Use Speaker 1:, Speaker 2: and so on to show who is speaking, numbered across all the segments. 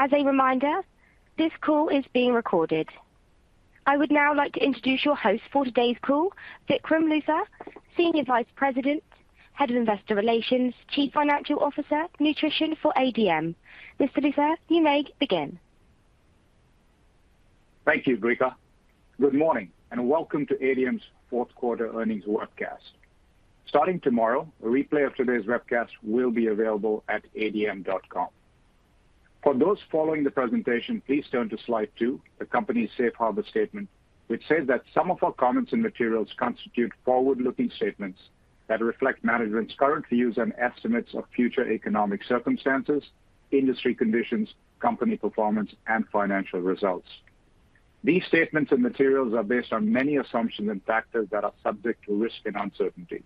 Speaker 1: As a reminder, this call is being recorded. I would now like to introduce your host for today's call, Vikram Luthar, Senior Vice President, Head of Investor Relations, Chief Financial Officer, Nutrition for ADM. Mr. Luthar, you may begin.
Speaker 2: Thank you, Breeka. Good morning, and welcome to ADM's fourth quarter earnings webcast. Starting tomorrow, a replay of today's webcast will be available at adm.com. For those following the presentation, please turn to slide two, the company's safe harbor statement, which says that some of our comments and materials constitute forward-looking statements that reflect management's current views and estimates of future economic circumstances, industry conditions, company performance, and financial results. These statements and materials are based on many assumptions and factors that are subject to risks and uncertainties.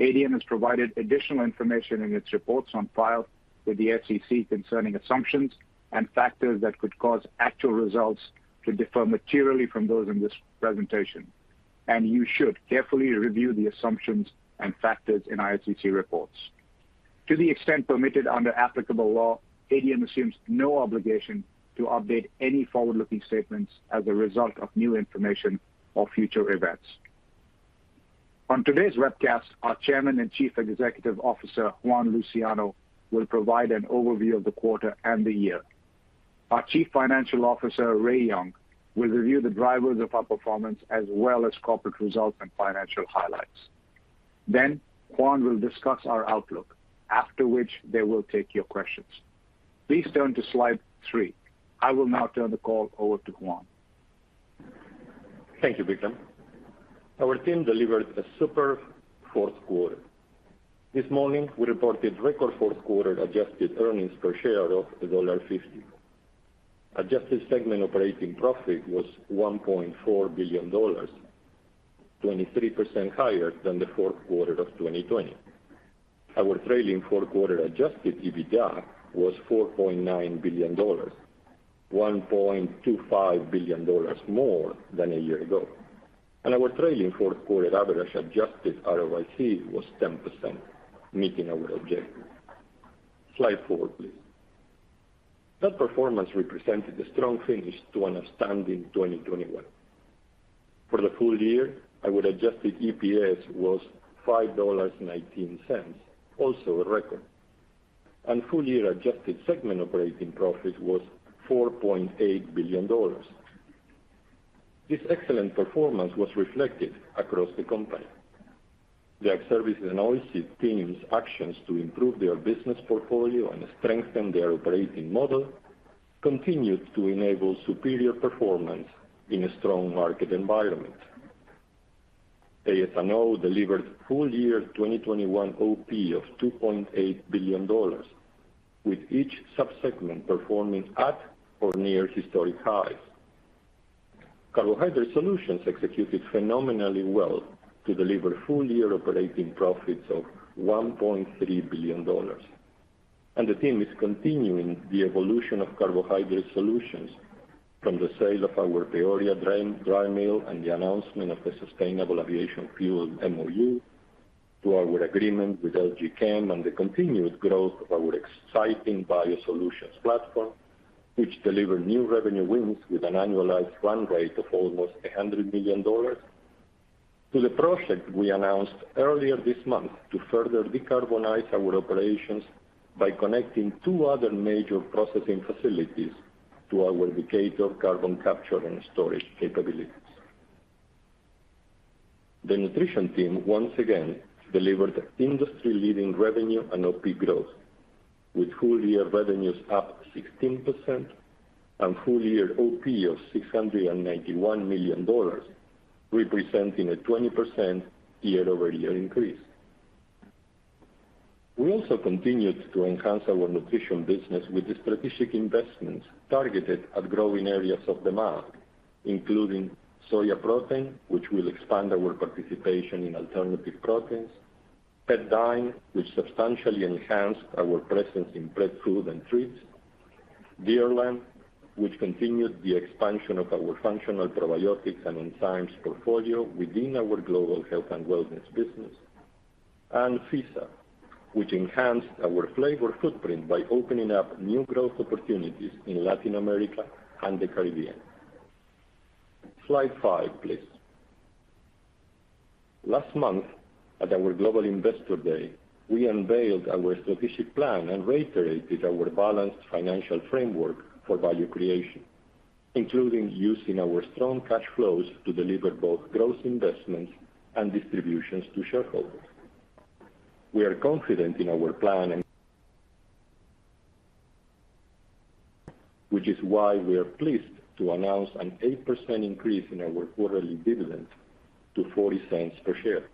Speaker 2: ADM has provided additional information in its reports on file with the SEC concerning assumptions and factors that could cause actual results to differ materially from those in this presentation. You should carefully review the assumptions and factors in our SEC reports. To the extent permitted under applicable law, ADM assumes no obligation to update any forward-looking statements as a result of new information or future events. On today's webcast, our Chairman and Chief Executive Officer, Juan Luciano, will provide an overview of the quarter and the year. Our Chief Financial Officer, Ray Young, will review the drivers of our performance as well as corporate results and financial highlights. Juan will discuss our outlook, after which they will take your questions. Please turn to slide three. I will now turn the call over to Juan.
Speaker 3: Thank you, Vikram. Our team delivered a superb fourth quarter. This morning, we reported record fourth quarter adjusted earnings per share of $1.50. Adjusted segment operating profit was $1.4 billion, 23% higher than the fourth quarter of 2020. Our trailing fourth quarter Adjusted EBITDA was $4.9 billion, $1.25 billion more than a year ago. Our trailing fourth-quarter average Adjusted ROIC was 10%, meeting our objective. Slide four, please. That performance represented a strong finish to an outstanding 2021. For the full-year, our Adjusted EPS was $5.19, also a record. Full-year adjusted segment operating profit was $4.8 billion. This excellent performance was reflected across the company. The Ag Services and Oilseeds team's actions to improve their business portfolio and strengthen their operating model continued to enable superior performance in a strong market environment. AS&O delivered full-year 2021 OP of $2.8 billion, with each subsegment performing at or near historic highs. Carbohydrate Solutions executed phenomenally well to deliver full-year operating profits of $1.3 billion. The team is continuing the evolution of Carbohydrate Solutions from the sale of our Peoria dry mill and the announcement of the sustainable aviation fuel MOU to our agreement with LG Chem and the continued growth of our exciting BioSolutions platform, which delivered new revenue wins with an annualized run rate of almost $100 million. To the project we announced earlier this month to further decarbonize our operations by connecting two other major processing facilities to our Decatur carbon capture and storage capabilities. The Nutrition team once again delivered industry-leading revenue and OP growth, with full-year revenues up 16% and full-year OP of $691 million, representing a 20% year-over-year increase. We also continued to enhance our Nutrition business with strategic investments targeted at growing areas of demand, including Sojaprotein, which will expand our participation in alternative proteins, PetDine, which substantially enhanced our presence in pet food and treats, Deerland, which continued the expansion of our functional probiotics and enzymes portfolio within our global Health and Wellness business, and FISA, which enhanced our flavor footprint by opening up new growth opportunities in Latin America and the Caribbean. Slide five, please. Last month, at our Global Investor Day, we unveiled our strategic plan and reiterated our balanced financial framework for value creation, including using our strong cash flows to deliver both growth investments and distributions to shareholders. We are confident in our plan, which is why we are pleased to announce an 8% increase in our quarterly dividend to $0.40 per share.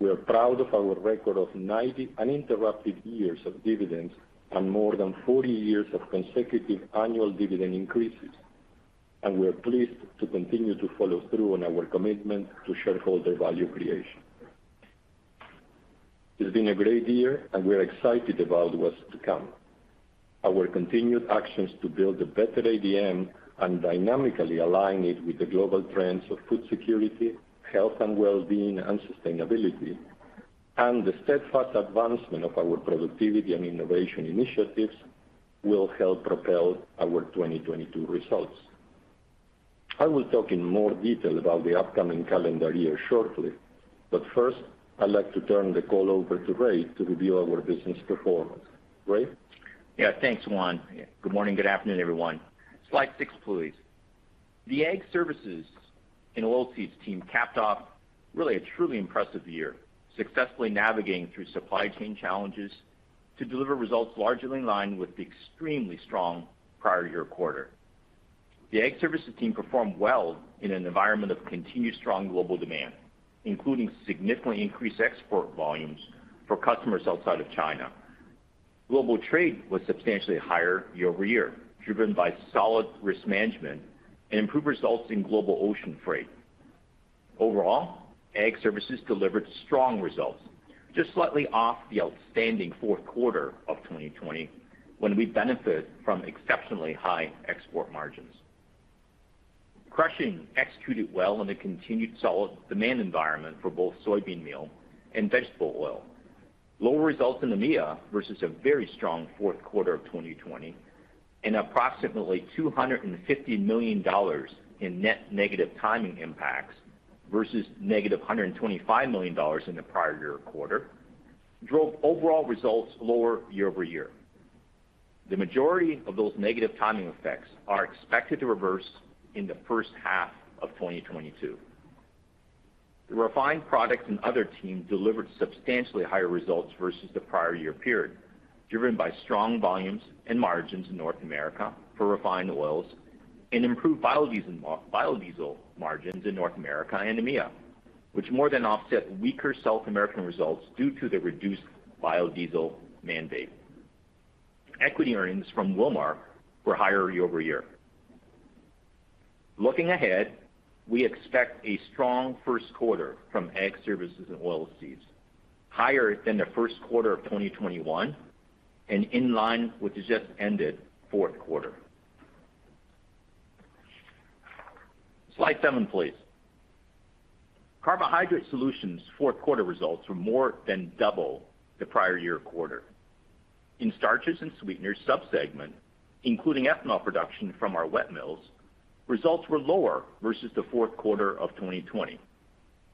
Speaker 3: We are proud of our record of 90 uninterrupted years of dividends and more than 40 years of consecutive annual dividend increases. We are pleased to continue to follow through on our commitment to shareholder value creation. It's been a great year, and we are excited about what's to come. Our continued actions to build a better ADM and dynamically align it with the global trends of food security, health and well-being, and sustainability. The steadfast advancement of our productivity and innovation initiatives will help propel our 2022 results. I will talk in more detail about the upcoming calendar year shortly, but first, I'd like to turn the call over to Ray to review our business performance. Ray?
Speaker 4: Yeah. Thanks, Juan. Good morning, good afternoon, everyone. Slide six, please. The Ag Services and Oilseeds team capped off really a truly impressive year, successfully navigating through supply chain challenges to deliver results largely in line with the extremely strong prior year quarter. The Ag Services team performed well in an environment of continued strong global demand, including significantly increased export volumes for customers outside of China. Global trade was substantially higher year-over-year, driven by solid risk management and improved results in global ocean freight. Overall, Ag Services delivered strong results, just slightly off the outstanding fourth quarter of 2020, when we benefits from exceptionally high export margins. Crushing executed well on the continued solid demand environment for both soybean meal and vegetable oil. Lower results in EMEA versus a very strong fourth quarter of 2020 and approximately $250 million in net negative timing impacts versus negative $125 million in the prior year quarter drove overall results lower year-over-year. The majority of those negative timing effects are expected to reverse in the first half of 2022. The Refined Products and Other team delivered substantially higher results versus the prior year period, driven by strong volumes and margins in North America for refined oils and improved biodiesel margins in North America and EMEA, which more than offset weaker South American results due to the reduced biodiesel mandate. Equity earnings from Wilmar were higher year-over-year. Looking ahead, we expect a strong first quarter from Ag Services and Oilseeds, higher than the first quarter of 2021 and in line with the just-ended fourth quarter. Slide seven, please. Carbohydrate Solutions' fourth quarter results were more than double the prior year quarter. In Starches and Sweeteners sub-segment, including ethanol production from our wet mills, results were lower versus the fourth quarter of 2020,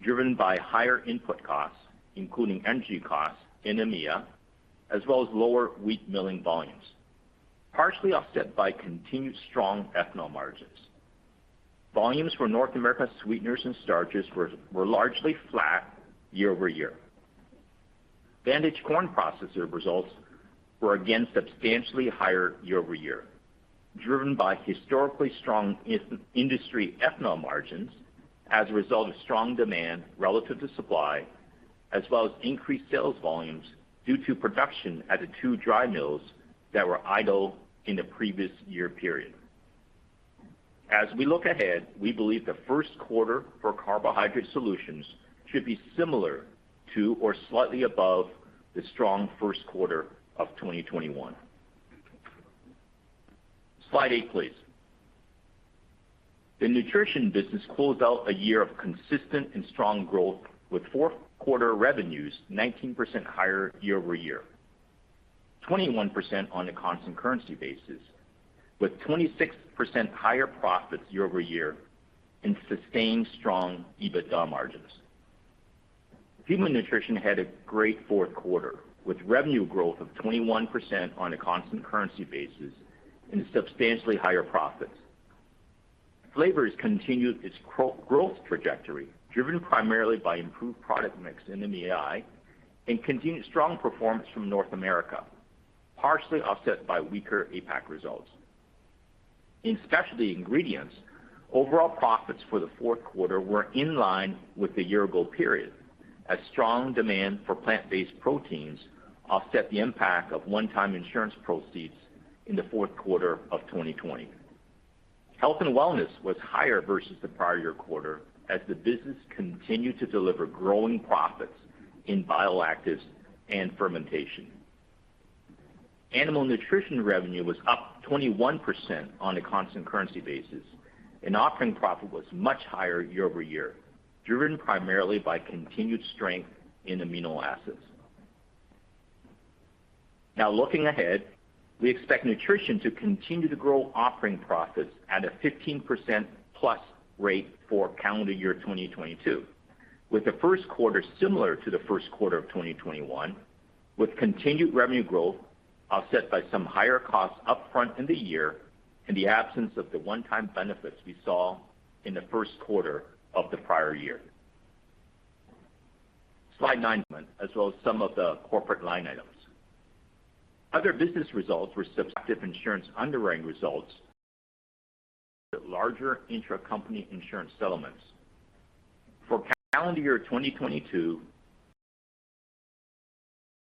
Speaker 4: driven by higher input costs, including energy costs in EMEA, as well as lower wheat milling volumes, partially offset by continued strong ethanol margins. Volumes for North America Sweeteners and Starches were largely flat year-over-year. Vantage Corn Processors' results were again substantially higher year-over-year, driven by historically strong industry ethanol margins as a result of strong demand relative to supply, as well as increased sales volumes due to production at the two dry mills that were idle in the previous-year period. We look ahead, we believe the first quarter for Carbohydrate Solutions should be similar to or slightly above the strong first quarter of 2021. Slide eight, please. The Nutrition business closed out a year of consistent and strong growth with fourth-quarter revenues 19% higher year-over-year, 21% on a constant-currency basis, with 26% higher profits year-over-year and sustained strong EBITDA margins. Human Nutrition had a great fourth quarter, with revenue growth of 21% on a constant-currency basis and substantially higher profits. Flavors continued its growth trajectory, driven primarily by improved product mix in EMEAI and continued strong performance from North America, partially offset by weaker APAC results. In Specialty Ingredients, overall profits for the fourth quarter were in line with the year-ago period, as strong demand for plant-based proteins offset the impact of one-time insurance proceeds in the fourth quarter of 2020. Health and Wellness was higher versus the prior year quarter as the business continued to deliver growing profits in bioactives and fermentation. Animal Nutrition revenue was up 21% on a constant currency basis, and operating profit was much higher year-over-year, driven primarily by continued strength in amino acids. Now looking ahead, we expect Nutrition to continue to grow operating profits at a 15%+ rate for calendar year 2022, with the first quarter similar to the first quarter of 2021, with continued revenue growth offset by some higher costs up front in the year and the absence of the one-time benefits we saw in the first quarter of the prior year. Slide nine, as well as some of the corporate line items. Other business results were substantive insurance underwriting results, the larger intra-company insurance settlements. For calendar year 2022,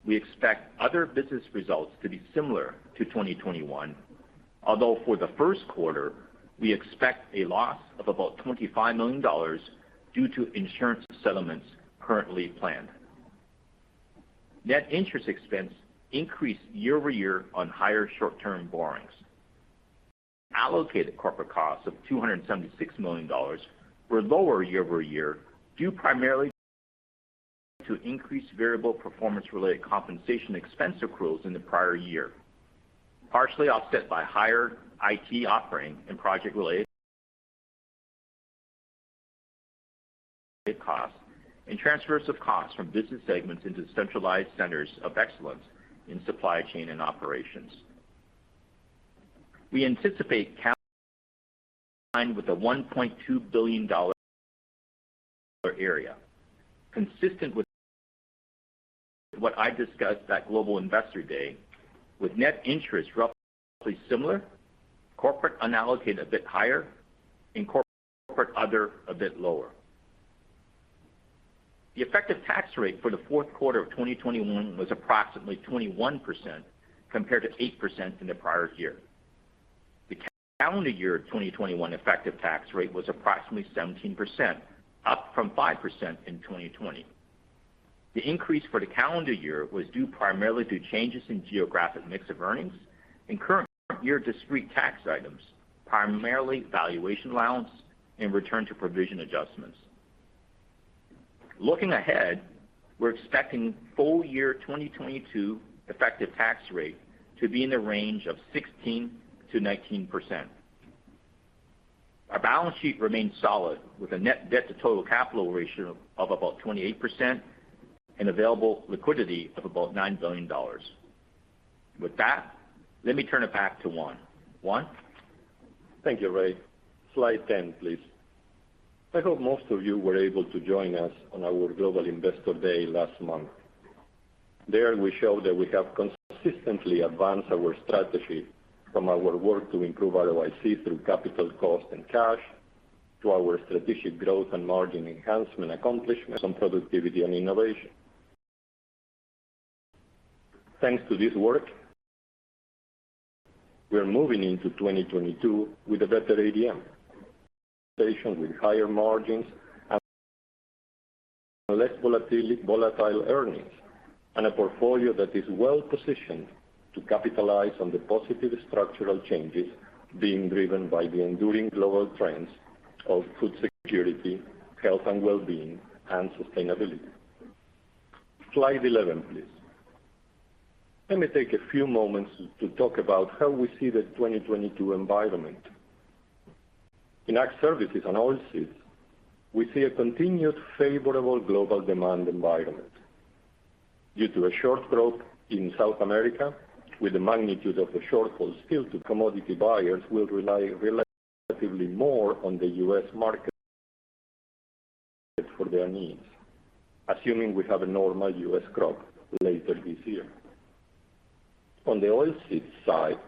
Speaker 4: we expect other business results to be similar to 2021, although for the first quarter, we expect a loss of about $25 million due to insurance settlements currently planned. Net interest expense increased year over year on higher short-term borrowings. Allocated corporate costs of $276 million were lower year-over-year, due primarily to increased variable performance-related compensation expense accruals in the prior year, partially offset by higher IT operating and project-related costs and transfers of costs from business segments into centralized centers of excellence in supply chain and operations. We anticipate calendar year 2022 to be in line with the $1.2 billion area, consistent with what I discussed at Global Investor Day, with net interest roughly similar, corporate unallocated a bit higher, and corporate other a bit lower. The effective tax rate for the fourth quarter of 2021 was approximately 21%, compared to 8% in the prior year. The calendar year 2021 effective tax rate was approximately 17%, up from 5% in 2020. The increase for the calendar year was due primarily to changes in geographic mix of earnings and current year discrete tax items, primarily valuation allowance and return to provision adjustments. Looking ahead, we're expecting full year 2022 effective tax rate to be in the range of 16%-19%. Our balance sheet remains solid, with a net debt to total capital ratio of about 28% and available liquidity of about $9 billion. With that, let me turn it back to Juan. Juan?
Speaker 3: Thank you, Ray. Slide 10, please. I hope most of you were able to join us on our Global Investor Day last month. There, we showed that we have consistently advanced our strategy from our work to improve ROIC through capital cost and cash to our strategic growth and margin enhancement accomplishments on productivity and innovation. Thanks to this work, we are moving into 2022 with a better ADM, a position with higher margins and less volatile earnings, and a portfolio that is well-positioned to capitalize on the positive structural changes being driven by the enduring global trends of food security, health and well-being, and sustainability. Slide 11, please. Let me take a few moments to talk about how we see the 2022 environment. In Ag Services and Oilseeds, we see a continued favorable global demand environment. Due to a short crop in South America, with the magnitude of the shortfall still to commodity buyers, we'll rely relatively more on the U.S. market for their needs, assuming we have a normal U.S. crop later this year. On the Oilseeds side,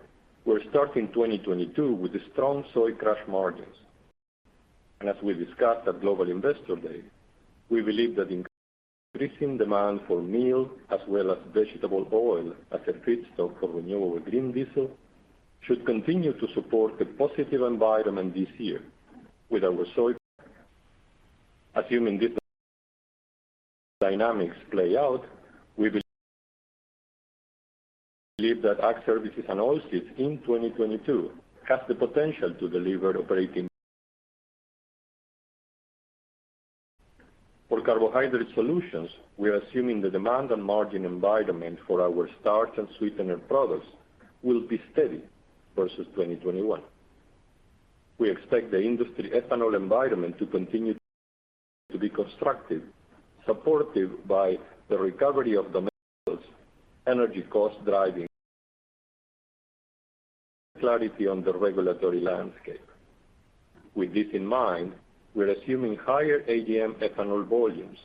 Speaker 3: we're starting 2022 with strong soy crush margins. As we discussed at Global Investor Day, we believe that increasing demand for meal as well as vegetable oil as a feedstock for Renewable Green Diesel should continue to support a positive environment this year with our soy crush. Assuming these dynamics play out, we believe that Ag Services and Oilseeds in 2022 has the potential to deliver operating profit slightly higher than 2021. For Carbohydrate Solutions, we are assuming the demand and margin environment for our starch and sweetener products will be steady versus 2021. We expect the industry ethanol environment to continue to be constructive, supported by the recovery of demand levels, energy cost driving, and some clarity on the regulatory landscape. With this in mind, we're assuming higher ADM ethanol volumes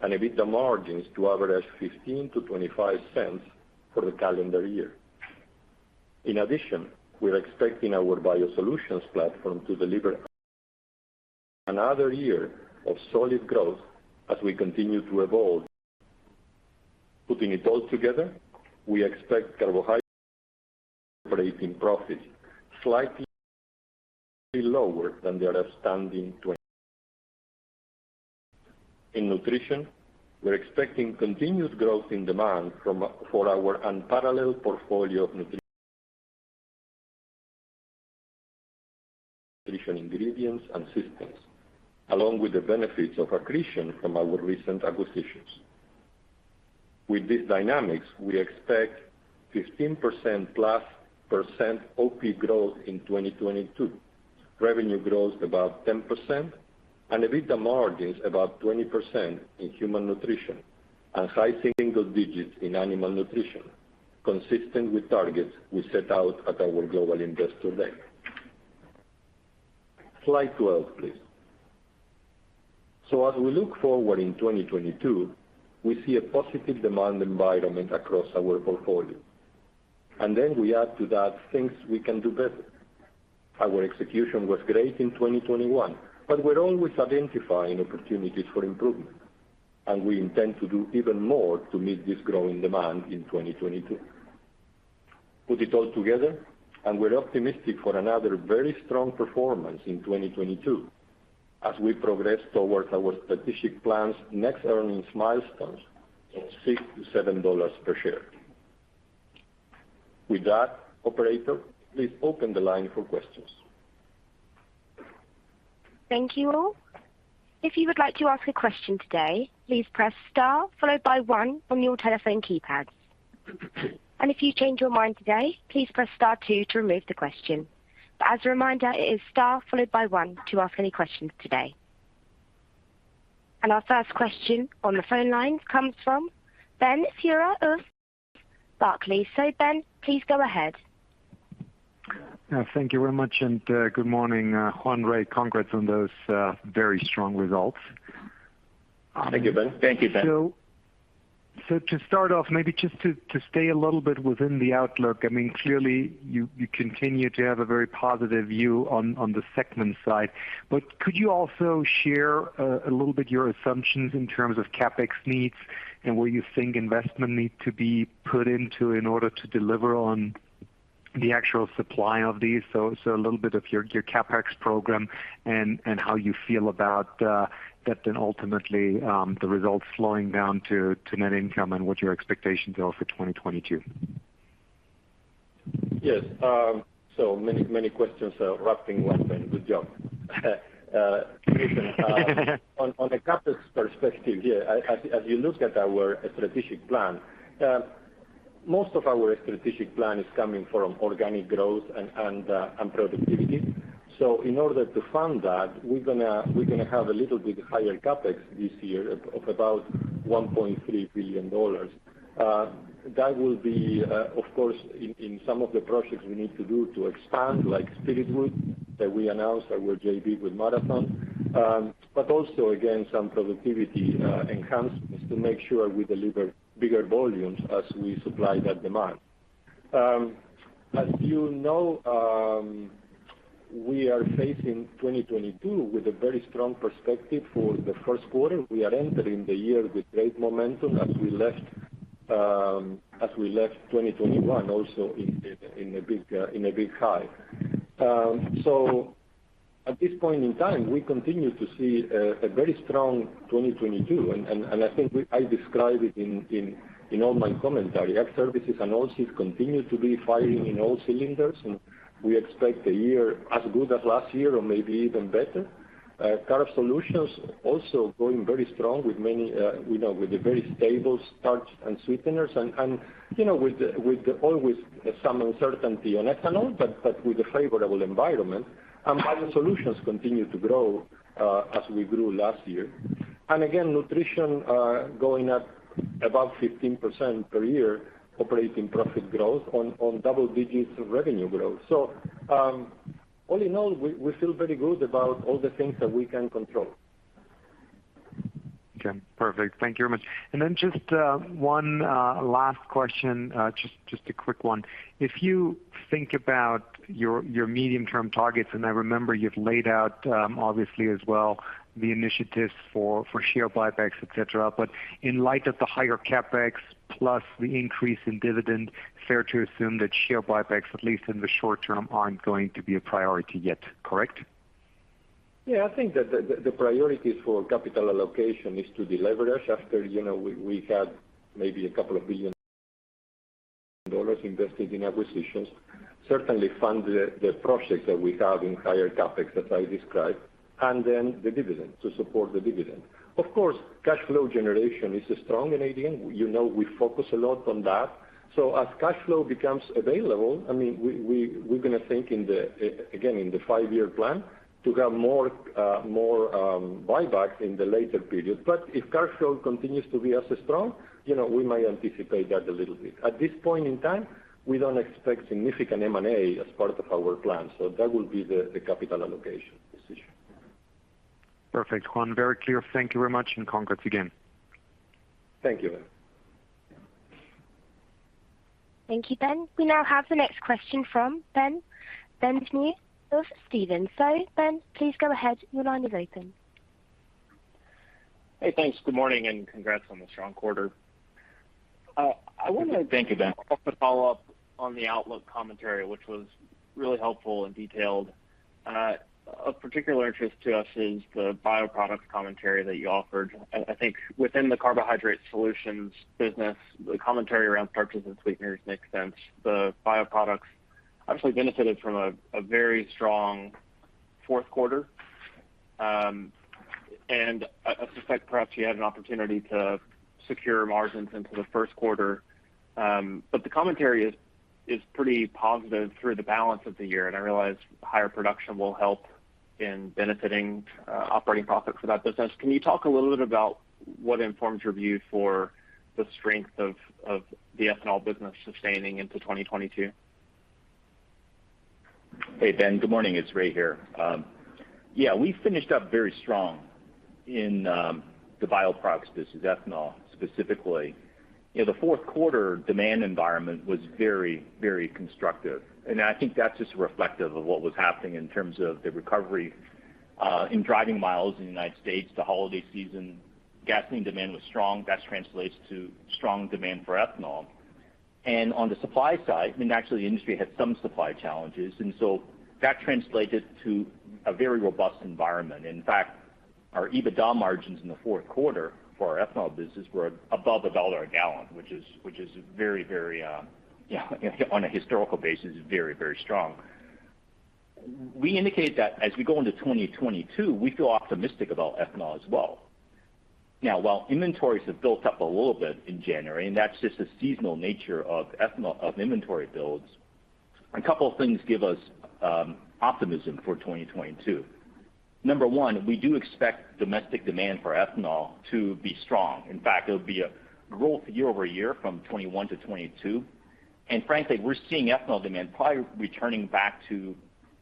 Speaker 3: and EBITDA margins to average $0.15-$0.25 for the calendar year. In addition, we're expecting our BioSolutions platform to deliver another year of solid growth as we continue to evolve. Putting it all together, we expect Carbohydrate Solutions' operating profit slightly lower than the outstanding 2021. In Nutrition, we're expecting continuous growth in demand for our unparalleled portfolio of nutrition ingredients and systems, along with the benefits of accretion from our recent acquisitions. With these dynamics, we expect 15%+ OP growth in 2022, revenue growth about 10%, and EBITDA margins about 20% in Human Nutrition and high single digits in Animal Nutrition, consistent with targets we set out at our Global Investor Day. Slide 12, please. As we look forward in 2022, we see a positive demand environment across our portfolio. Then we add to that things we can do better. Our execution was great in 2021, but we're always identifying opportunities for improvement, and we intend to do even more to meet this growing demand in 2022. Put it all together, and we're optimistic for another very strong performance in 2022. As we progress towards our strategic plans, next earnings milestones of $6-$7 per share. With that, operator, please open the line for questions.
Speaker 1: Thank you all. If you would like to ask a question today, please press star followed by one from your telephone keypad. If you change your mind today, please press star two to remove the question. As a reminder, it is star followed by one to ask any questions today. Our first question on the phone line comes from Ben Theurer of Barclays. Ben, please go ahead.
Speaker 5: Thank you very much and good morning, Juan, Ray. Congrats on those very strong results.
Speaker 3: Thank you, Ben.
Speaker 4: Thank you, Ben.
Speaker 5: To start off, maybe just to stay a little bit within the outlook. I mean, clearly you continue to have a very positive view on the segment side. Could you also share a little bit your assumptions in terms of CapEx needs and where you think investment need to be put into in order to deliver on the actual supply of these? A little bit of your CapEx program and how you feel about that then ultimately, the results flowing down to net income and what your expectations are for 2022.
Speaker 3: Yes. Many questions wrapped in one, Ben. Good job. Listen, on a CapEx perspective, yeah, as you look at our strategic plan, most of our strategic plan is coming from organic growth and productivity. In order to fund that, we're gonna have a little bit higher CapEx this year of about $1.3 billion. That will be, of course, in some of the projects we need to do to expand, like Spiritwood that we announced our joint venture with Marathon. Also, again, some productivity enhancements to make sure we deliver bigger volumes as we supply that demand. As you know, we are facing 2022 with a very strong perspective for the first quarter. We are entering the year with great momentum as we left 2021 also in a big high. At this point in time, we continue to see a very strong 2022. I think I described it in all my commentary. Ag Services and Oilseeds continue to be firing on all cylinders, and we expect a year as good as last year or maybe even better. Carbohydrate Solutions also growing very strong with a very stable starch and sweeteners, and with always some uncertainty on ethanol, but with a favorable environment. BioSolutions continues to grow as we grew last year. Again, Nutrition going up above 15% per year operating profit growth on double digits of revenue growth. All in all, we feel very good about all the things that we can control.
Speaker 5: Okay, perfect. Thank you very much. Then just one last question, just a quick one. If you think about your medium-term targets, and I remember you've laid out, obviously as well, the initiatives for share buybacks, et cetera. In light of the higher CapEx plus the increase in dividend, fair to assume that share buybacks, at least in the short term, aren't going to be a priority yet, correct?
Speaker 3: Yeah, I think that the priority for capital allocation is to deleverage after, you know, we had maybe $2 billion invested in acquisitions, certainly fund the projects that we have in higher CapEx, as I described, and then the dividend to support the dividend. Of course, cash flow generation is strong in ADM. You know, we focus a lot on that. As cash flow becomes available, I mean, we're gonna think in the five-year plan to have more buybacks in the later periods. If cash flow continues to be as strong, you know, we might anticipate that a little bit. At this point in time, we don't expect significant M&A as part of our plan. That will be the capital allocation decision.
Speaker 5: Perfect, Juan. Very clear. Thank you very much, and congrats again.
Speaker 3: Thank you, Ben.
Speaker 1: Thank you, Ben. We now have the next question from Ben Bienvenu of Stephens. Ben, please go ahead. Your line is open.
Speaker 6: Hey, thanks. Good morning, and congrats on the strong quarter. I wanted to.
Speaker 3: Thank you, Ben.
Speaker 6: Follow up on the outlook commentary, which was really helpful and detailed. Of particular interest to us is the bioproducts commentary that you offered. I think within the Carbohydrate Solutions business, the commentary around Starches and Sweeteners make sense. The bioproducts actually benefited from a very strong fourth quarter. I suspect perhaps you had an opportunity to secure margins into the first quarter. The commentary is pretty positive through the balance of the year, and I realize higher production will help in benefiting operating profit for that business. Can you talk a little bit about what informs your view for the strength of the ethanol business sustaining into 2022?
Speaker 4: Hey, Ben. Good morning. It's Ray here. Yeah, we finished up very strong in the bioproducts business, ethanol specifically. You know, the fourth quarter demand environment was very, very constructive. I think that's just reflective of what was happening in terms of the recovery in driving miles in the U.S. The holiday season, gasoline demand was strong. That translates to strong demand for ethanol. On the supply side, I mean, actually the industry had some supply challenges, and so that translated to a very robust environment. In fact, our EBITDA margins in the fourth quarter for our ethanol business were above $1 a gal, which is very, very yeah, on a historical basis, very, very strong. We indicate that as we go into 2022, we feel optimistic about ethanol as well. Now, while inventories have built up a little bit in January, and that's just the seasonal nature of inventory builds, a couple of things give us optimism for 2022. Number one, we do expect domestic demand for ethanol to be strong. In fact, it'll be a growth year over year from 2021 to 2022. Frankly, we're seeing ethanol demand probably returning back to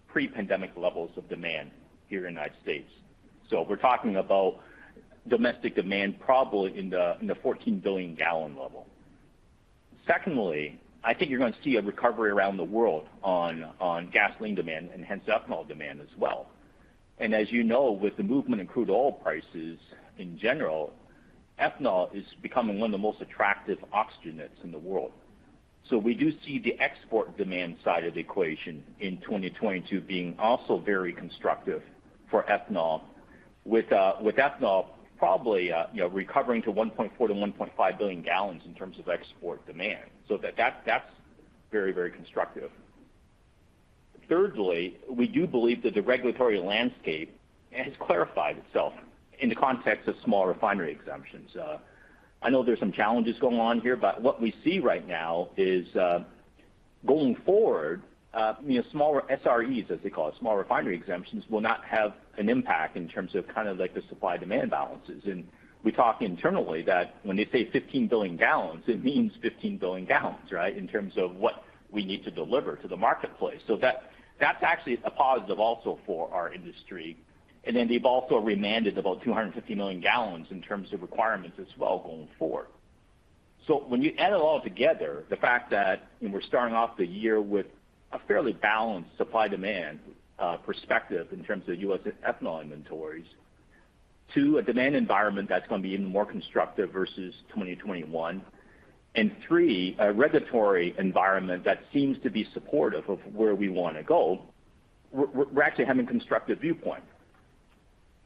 Speaker 4: pre-pandemic levels of demand here in the United States. We're talking about domestic demand probably in the 14 billion gal level. Secondly, I think you're going to see a recovery around the world on gasoline demand and hence ethanol demand as well. As you know, with the movement in crude oil prices in general, ethanol is becoming one of the most attractive oxygenates in the world. We do see the export demand side of the equation in 2022 being also very constructive for ethanol, with ethanol probably, you know, recovering to 1.4-1.5 billion gal in terms of export demand. That, that's very, very constructive. Thirdly, we do believe that the regulatory landscape has clarified itself in the context of Small Refinery Exemptions. I know there's some challenges going on here, but what we see right now is, going forward, you know, smaller SREs, as they call it, Small Refinery Exemptions, will not have an impact in terms of kind of like the supply demand balances. We talk internally that when they say 15 billion gal, it means 15 billion gal, right? In terms of what we need to deliver to the marketplace. That, that's actually a positive also for our industry. Then they've also remanded about 250 million gal in terms of requirements as well going forward. When you add it all together, the fact that we're starting off the year with a fairly balanced supply demand perspective in terms of U.S. ethanol inventories, to a demand environment that's gonna be even more constructive versus 2021, and three, a regulatory environment that seems to be supportive of where we wanna go, we're actually having a constructive viewpoint.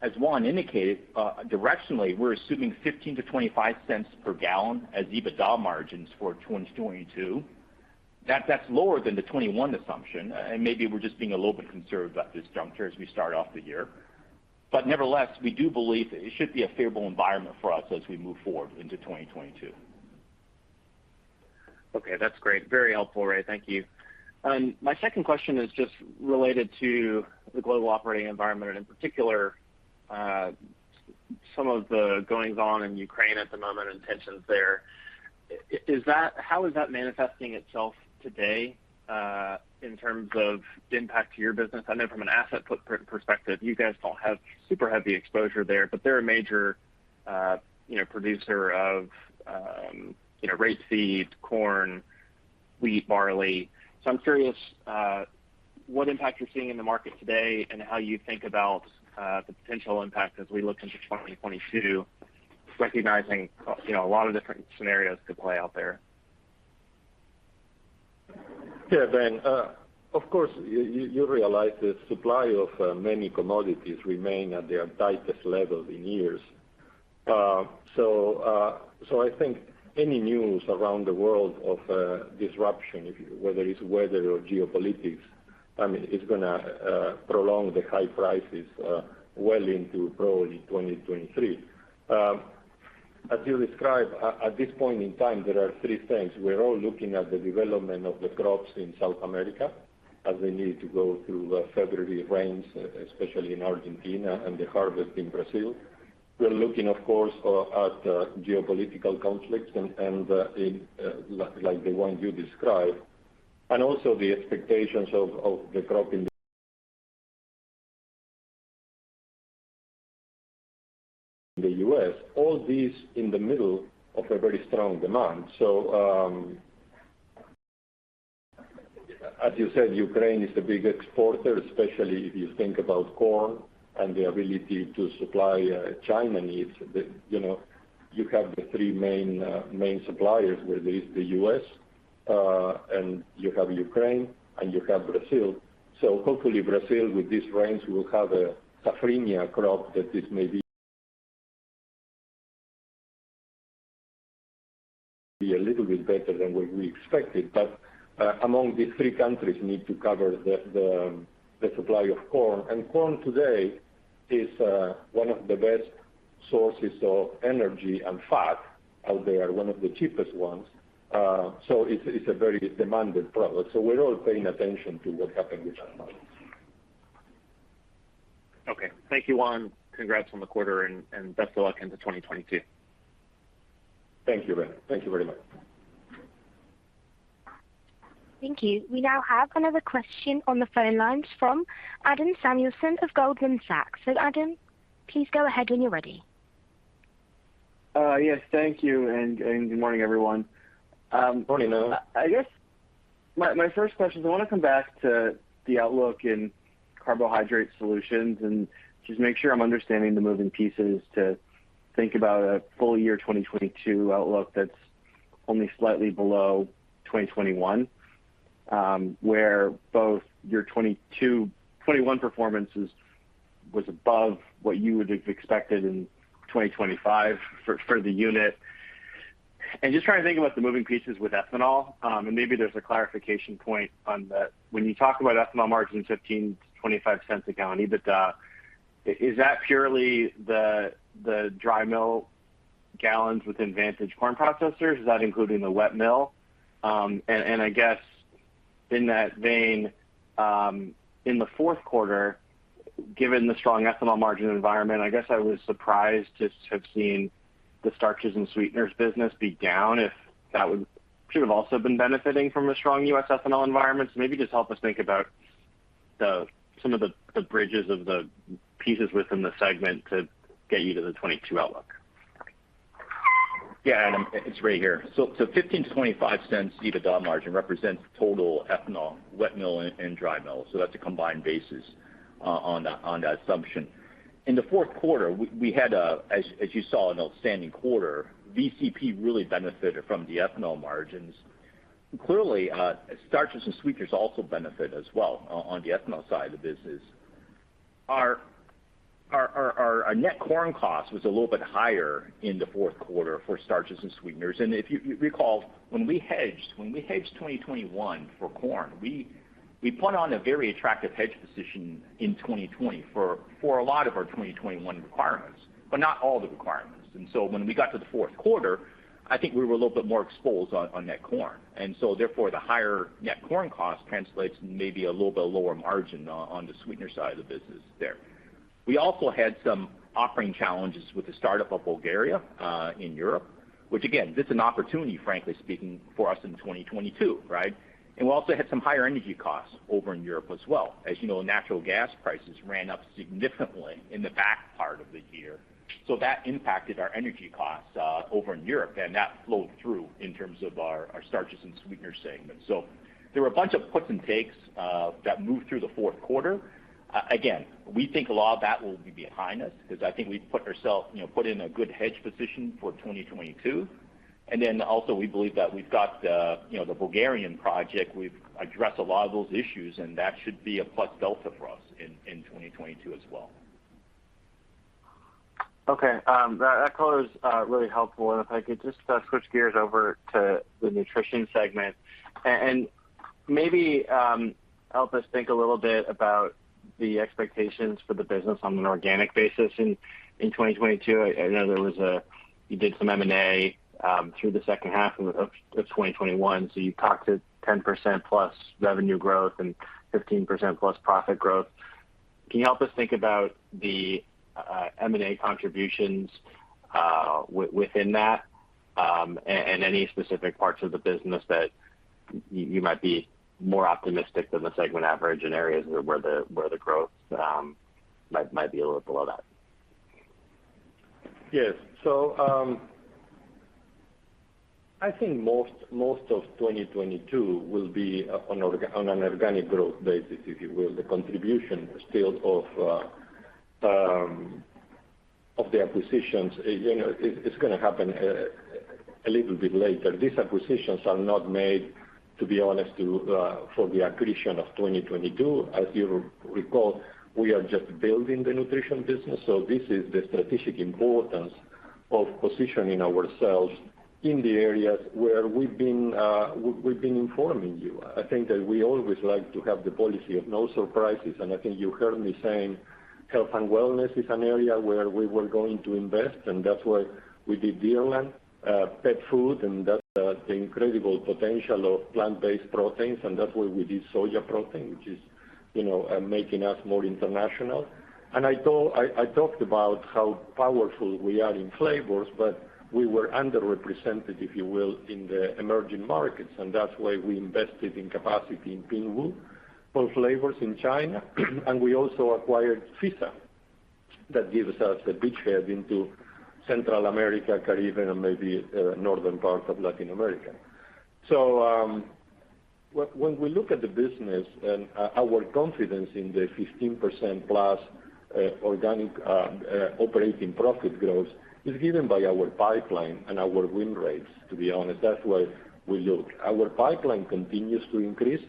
Speaker 4: As Juan indicated, directionally, we're assuming $0.15-$0.25 per gal as EBITDA margins for 2022. That's lower than the 2021 assumption, and maybe we're just being a little bit concerned about this juncture as we start off the year. Nevertheless, we do believe it should be a favorable environment for us as we move forward into 2022.
Speaker 6: Okay, that's great. Very helpful, Ray. Thank you. My second question is just related to the global operating environment and in particular, some of the goings-on in Ukraine at the moment and tensions there. How is that manifesting itself today, in terms of the impact to your business? I know from an asset perspective, you guys don't have super heavy exposure there, but they're a major, you know, producer of, you know, rapeseed, corn, wheat, barley. So I'm curious, what impact you're seeing in the market today and how you think about the potential impact as we look into 2022, recognizing, you know, a lot of different scenarios could play out there.
Speaker 3: Yeah, Ben. Of course, you realize the supply of many commodities remain at their tightest levels in years. So I think any news around the world of disruption, whether it's weather or geopolitics, I mean, is gonna prolong the high prices well into probably 2023. As you describe, at this point in time, there are three things. We're all looking at the development of the crops in South America as they need to go through February rains, especially in Argentina, and the harvest in Brazil. We're looking, of course, at geopolitical conflicts and like the one you described, and also the expectations of the crop in the U.S. All these in the middle of a very strong demand. As you said, Ukraine is the big exporter, especially if you think about corn and the ability to supply China needs. You have the three main suppliers where there is the U.S., and you have Ukraine, and you have Brazil. Hopefully, Brazil, with these rains, will have a safrinha crop that this may be a little bit better than what we expected. Among these three countries need to cover the supply of corn. Corn today is one of the best sources of energy and fat out there, one of the cheapest ones. It's a very demanded product. We're all paying attention to what happened with that market.
Speaker 6: Okay. Thank you, Juan. Congrats on the quarter and best of luck into 2022.
Speaker 3: Thank you, Ben. Thank you very much.
Speaker 1: Thank you. We now have another question on the phone lines from Adam Samuelson of Goldman Sachs. Adam, please go ahead when you're ready.
Speaker 7: Yes, thank you and good morning, everyone.
Speaker 3: Morning, Adam.
Speaker 7: My first question is I wanna come back to the outlook in Carbohydrate Solutions and just make sure I'm understanding the moving pieces to think about a full-year 2022 outlook that's only slightly below 2021, where both your 2021 performance was above what you would have expected in 2025 for the unit. Just trying to think about the moving pieces with ethanol, and maybe there's a clarification point on that. When you talk about ethanol margins $0.15-$0.25 a gal EBITDA, is that purely the dry mill gallons within Vantage Corn Processors? Is that including the wet mill? I guess in that vein, in the fourth quarter, given the strong ethanol margin environment, I guess I was surprised to have seen the Starches and Sweeteners business be down if that should have also been benefiting from a strong U.S. ethanol environment. Maybe just help us think about some of the bridges of the pieces within the segment to get you to the 2022 outlook.
Speaker 4: Yeah, Adam, it's Ray here. So, $0.15-$0.25 EBITDA margin represents total ethanol, wet mill and dry mill. That's a combined basis on that assumption. In the fourth quarter, we had, as you saw, an outstanding quarter. VCP really benefited from the ethanol margins. Clearly, Starches and Sweeteners also benefit as well on the ethanol side of the business. Our net corn cost was a little bit higher in the fourth quarter for Starches and Sweeteners. If you recall, when we hedged 2021 for corn, we put on a very attractive hedge position in 2020 for a lot of our 2021 requirements, but not all the requirements. When we got to the fourth quarter, I think we were a little bit more exposed on net corn. Therefore, the higher net corn cost translates maybe a little bit lower margin on the sweetener side of the business there. We also had some operating challenges with the startup of Bulgaria in Europe, which again, this is an opportunity, frankly speaking, for us in 2022, right? We also had some higher energy costs over in Europe as well. As you know, natural gas prices ran up significantly in the back part of the year. That impacted our energy costs over in Europe, and that flowed through in terms of our Starches and Sweeteners segment. There were a bunch of puts and takes that moved through the fourth quarter. Again, we think a lot of that will be behind us because I think we put ourselves, you know, in a good hedge position for 2022. Then also we believe that we've got the, you know, the Bulgarian project. We've addressed a lot of those issues, and that should be a plus delta for us in 2022 as well.
Speaker 7: Okay. That color is really helpful. If I could just switch gears over to the Nutrition segment and maybe help us think a little bit about the expectations for the business on an organic basis in 2022. I know you did some M&A through the second half of 2021, so you talked to 10%+ revenue growth and 15%+ profit growth. Can you help us think about the M&A contributions within that, and any specific parts of the business that you might be more optimistic than the segment average in areas where the growth might be a little below that?
Speaker 3: Yes. I think most of 2022 will be on an organic growth basis, if you will. The contribution still of the acquisitions, you know, it's gonna happen a little bit later. These acquisitions are not made, to be honest, for the accretion of 2022. As you recall, we are just building the Nutrition business. This is the strategic importance of positioning ourselves in the areas where we've been informing you. I think that we always like to have the policy of no surprises. I think you heard me saying Health and Wellness is an area where we were going to invest, and that's why we did Deerland, pet food, and that's the incredible potential of plant-based proteins. That's why we did Sojaprotein, which is, you know, making us more international. I talked about how powerful we are in Flavors, but we were underrepresented, if you will, in the emerging markets, and that's why we invested in capacity in Pinghu for Flavors in China. We also acquired FISA. That gives us a beachhead into Central America, Caribbean, and maybe northern parts of Latin America. When we look at the business and our confidence in the 15%+ organic operating profit growth is given by our pipeline and our win rates, to be honest. That's where we look. Our pipeline continues to increase.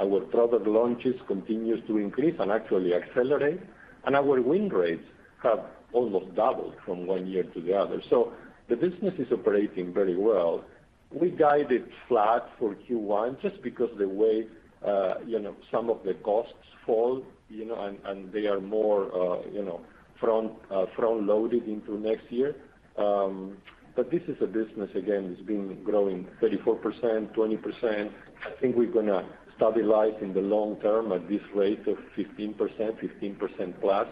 Speaker 3: Our product launches continues to increase and actually accelerate. Our win rates have almost doubled from one year to the other. The business is operating very well. We guided flat for Q1 just because the way you know some of the costs fall, you know, and they are more you know front-loaded into next year. This is a business, again, that's been growing 34%, 20%. I think we're gonna stabilize in the long term at this rate of 15%, 15% plus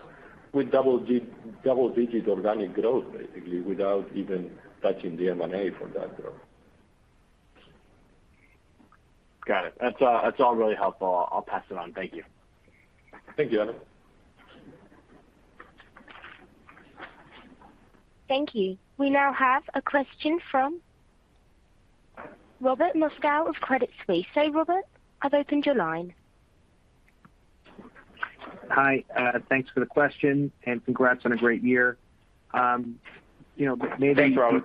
Speaker 3: with double-digit organic growth, basically, without even touching the M&A for that growth.
Speaker 7: Got it. That's all really helpful. I'll pass it on. Thank you.
Speaker 3: Thank you, Adam.
Speaker 1: Thank you. We now have a question from Robert Moskow of Credit Suisse. Robert, I've opened your line.
Speaker 8: Hi, thanks for the question, and congrats on a great year. You know, maybe
Speaker 3: Thanks, Robert.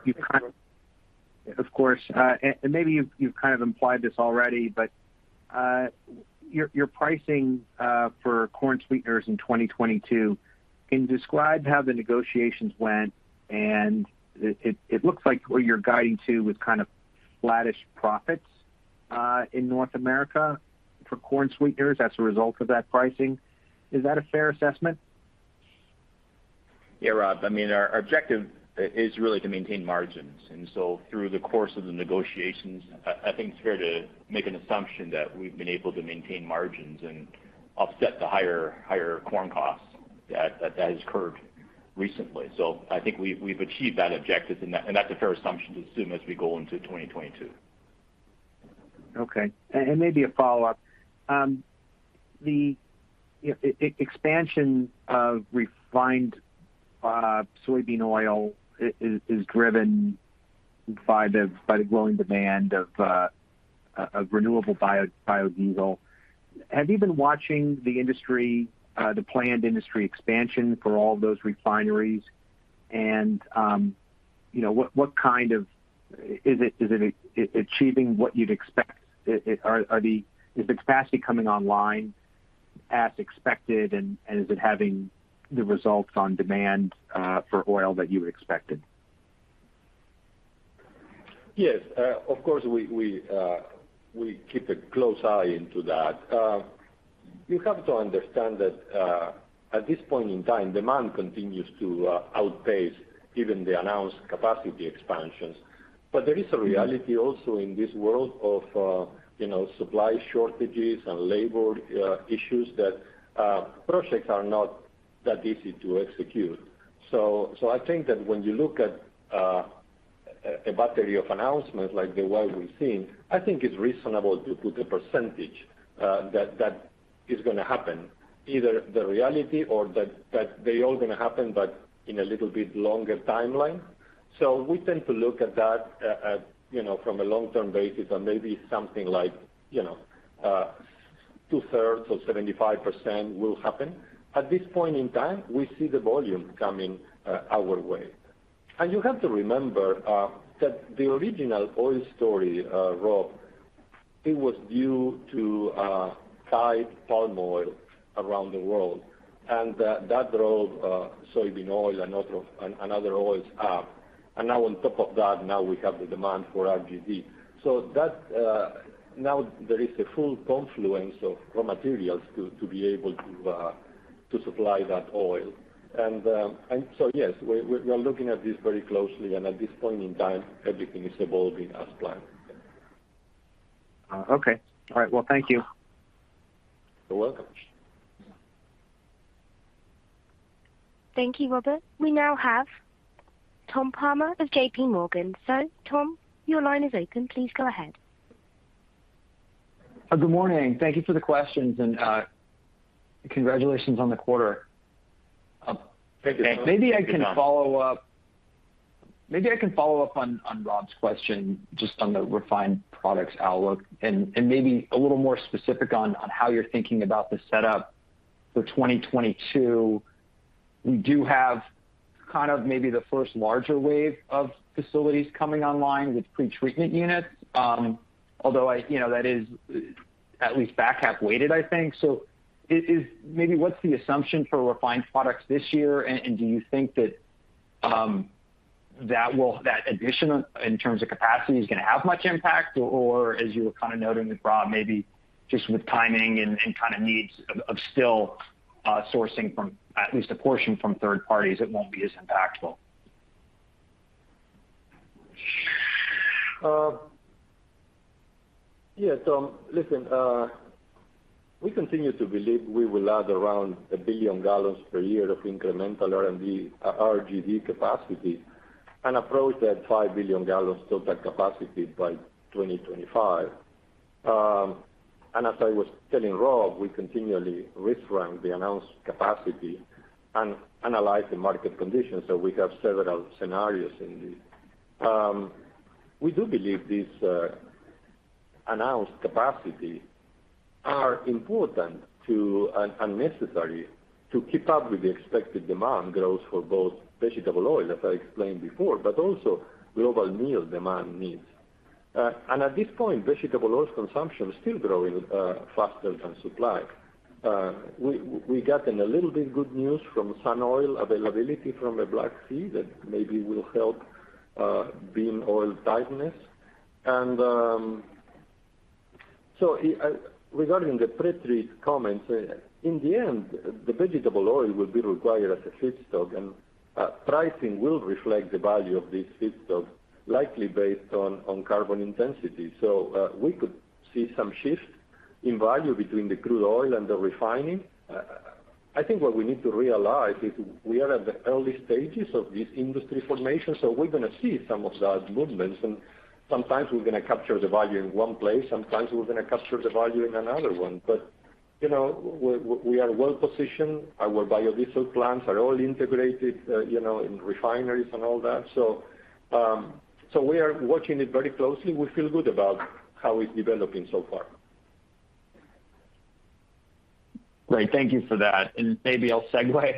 Speaker 8: Of course. Maybe you've kind of implied this already, but your pricing for corn sweeteners in 2022, can you describe how the negotiations went? It looks like where you're guiding to with kind of flattish profits in North America for corn sweeteners as a result of that pricing. Is that a fair assessment?
Speaker 4: Yeah, Rob, I mean, our objective is really to maintain margins. Through the course of the negotiations, I think it's fair to make an assumption that we've been able to maintain margins and offset the higher corn costs that has occurred recently. I think we've achieved that objective, and that's a fair assumption to assume as we go into 2022.
Speaker 8: Okay. Maybe a follow-up. The expansion of refined soybean oil is driven by the growing demand of renewable biodiesel. Have you been watching the industry, the planned industry expansion for all those refineries? You know, is it achieving what you'd expect? Is the capacity coming online as expected, and is it having the results on demand for oil that you had expected?
Speaker 3: Yes. Of course, we keep a close eye on that. You have to understand that, at this point in time, demand continues to outpace even the announced capacity expansions. There is a reality also in this world of, you know, supply shortages and labor issues, that projects are not that easy to execute. I think that when you look at a battery of announcements like the one we've seen, I think it's reasonable to put a percentage that is gonna happen, either the reality or that they're all gonna happen, but in a little bit longer timeline. We tend to look at that, you know, from a long-term basis, and maybe something like, you know, two-thirds or 75% will happen. At this point in time, we see the volume coming our way. You have to remember that the original oil story, Rob, it was due to tight palm oil around the world, and that drove soybean oil and other oils up. Now on top of that, now we have the demand for RGD. That now there is a full confluence of raw materials to be able to supply that oil. Yes, we're looking at this very closely, and at this point in time, everything is evolving as planned.
Speaker 8: Okay. All right. Well, thank you.
Speaker 3: You're welcome.
Speaker 1: Thank you, Robert. We now have Tom Palmer of JPMorgan. Tom, your line is open. Please go ahead.
Speaker 9: Good morning. Thank you for the questions, and congratulations on the quarter.
Speaker 3: Thank you.
Speaker 9: Maybe I can follow up on Rob's question just on the Refined Products outlook and maybe a little more specific on how you're thinking about the setup for 2022. We do have kind of maybe the first larger wave of facilities coming online with pretreatment units. Although that is at least back half weighted, I think. Maybe what's the assumption for Refined Products this year, and do you think that that addition in terms of capacity is gonna have much impact, or as you were kind of noting with Rob, maybe just with timing and kind of needs of still sourcing at least a portion from third parties, it won't be as impactful?
Speaker 3: Listen, we continue to believe we will add around $1 billion gal per year of incremental RGD capacity and approach that $5 billion gal total capacity by 2025. As I was telling Rob, we continually reframe the announced capacity and analyze the market conditions. We have several scenarios in this. We do believe these announced capacity are important and necessary to keep up with the expected demand growth for both vegetable oil, as I explained before, but also global meal demand needs. At this point, vegetable oil consumption is still growing faster than supply. We've gotten a little bit good news from sunflower oil availability from the Black Sea that maybe will help bean oil tightness. Regarding the pre-tax comments, in the end, the vegetable oil will be required as a feedstock, and pricing will reflect the value of this feedstock, likely based on carbon intensity. We could see some shift in value between the crude oil and the refining. I think what we need to realize is we are at the early stages of this industry formation, so we're gonna see some of that movements. Sometimes we're gonna capture the value in one place, sometimes we're gonna capture the value in another one. But you know, we are well-positioned. Our biodiesel plants are all integrated, you know, in refineries and all that. We are watching it very closely. We feel good about how it's developing so far.
Speaker 9: Great. Thank you for that. Maybe I'll segue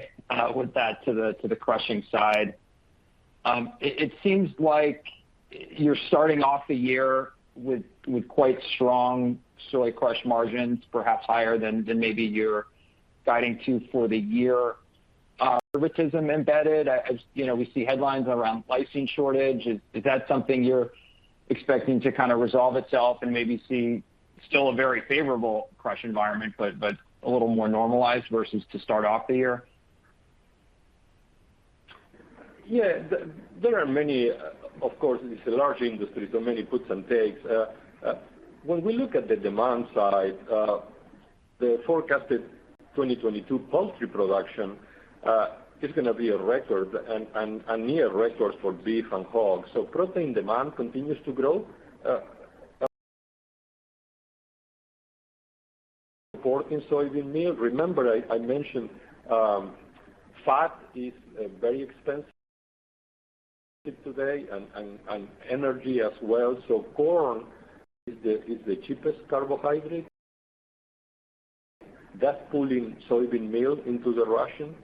Speaker 9: with that to the crushing side. It seems like you're starting off the year with quite strong soy crush margins, perhaps higher than maybe you're guiding to for the year. As you know, we see headlines around lysine shortage. Is that something you're expecting to kind of resolve itself and maybe see still a very favorable crush environment, but a little more normalized versus the start off the year?
Speaker 3: Yeah. There are many. Of course, it is a large industry, so many puts and takes. When we look at the demand side, the forecasted 2022 poultry production is gonna be a record and near records for beef and hogs. Protein demand continues to grow, importing soybean meal. Remember I mentioned, fat is very expensive today and energy as well. Corn is the cheapest carbohydrate. That's pulling soybean meal into the ration.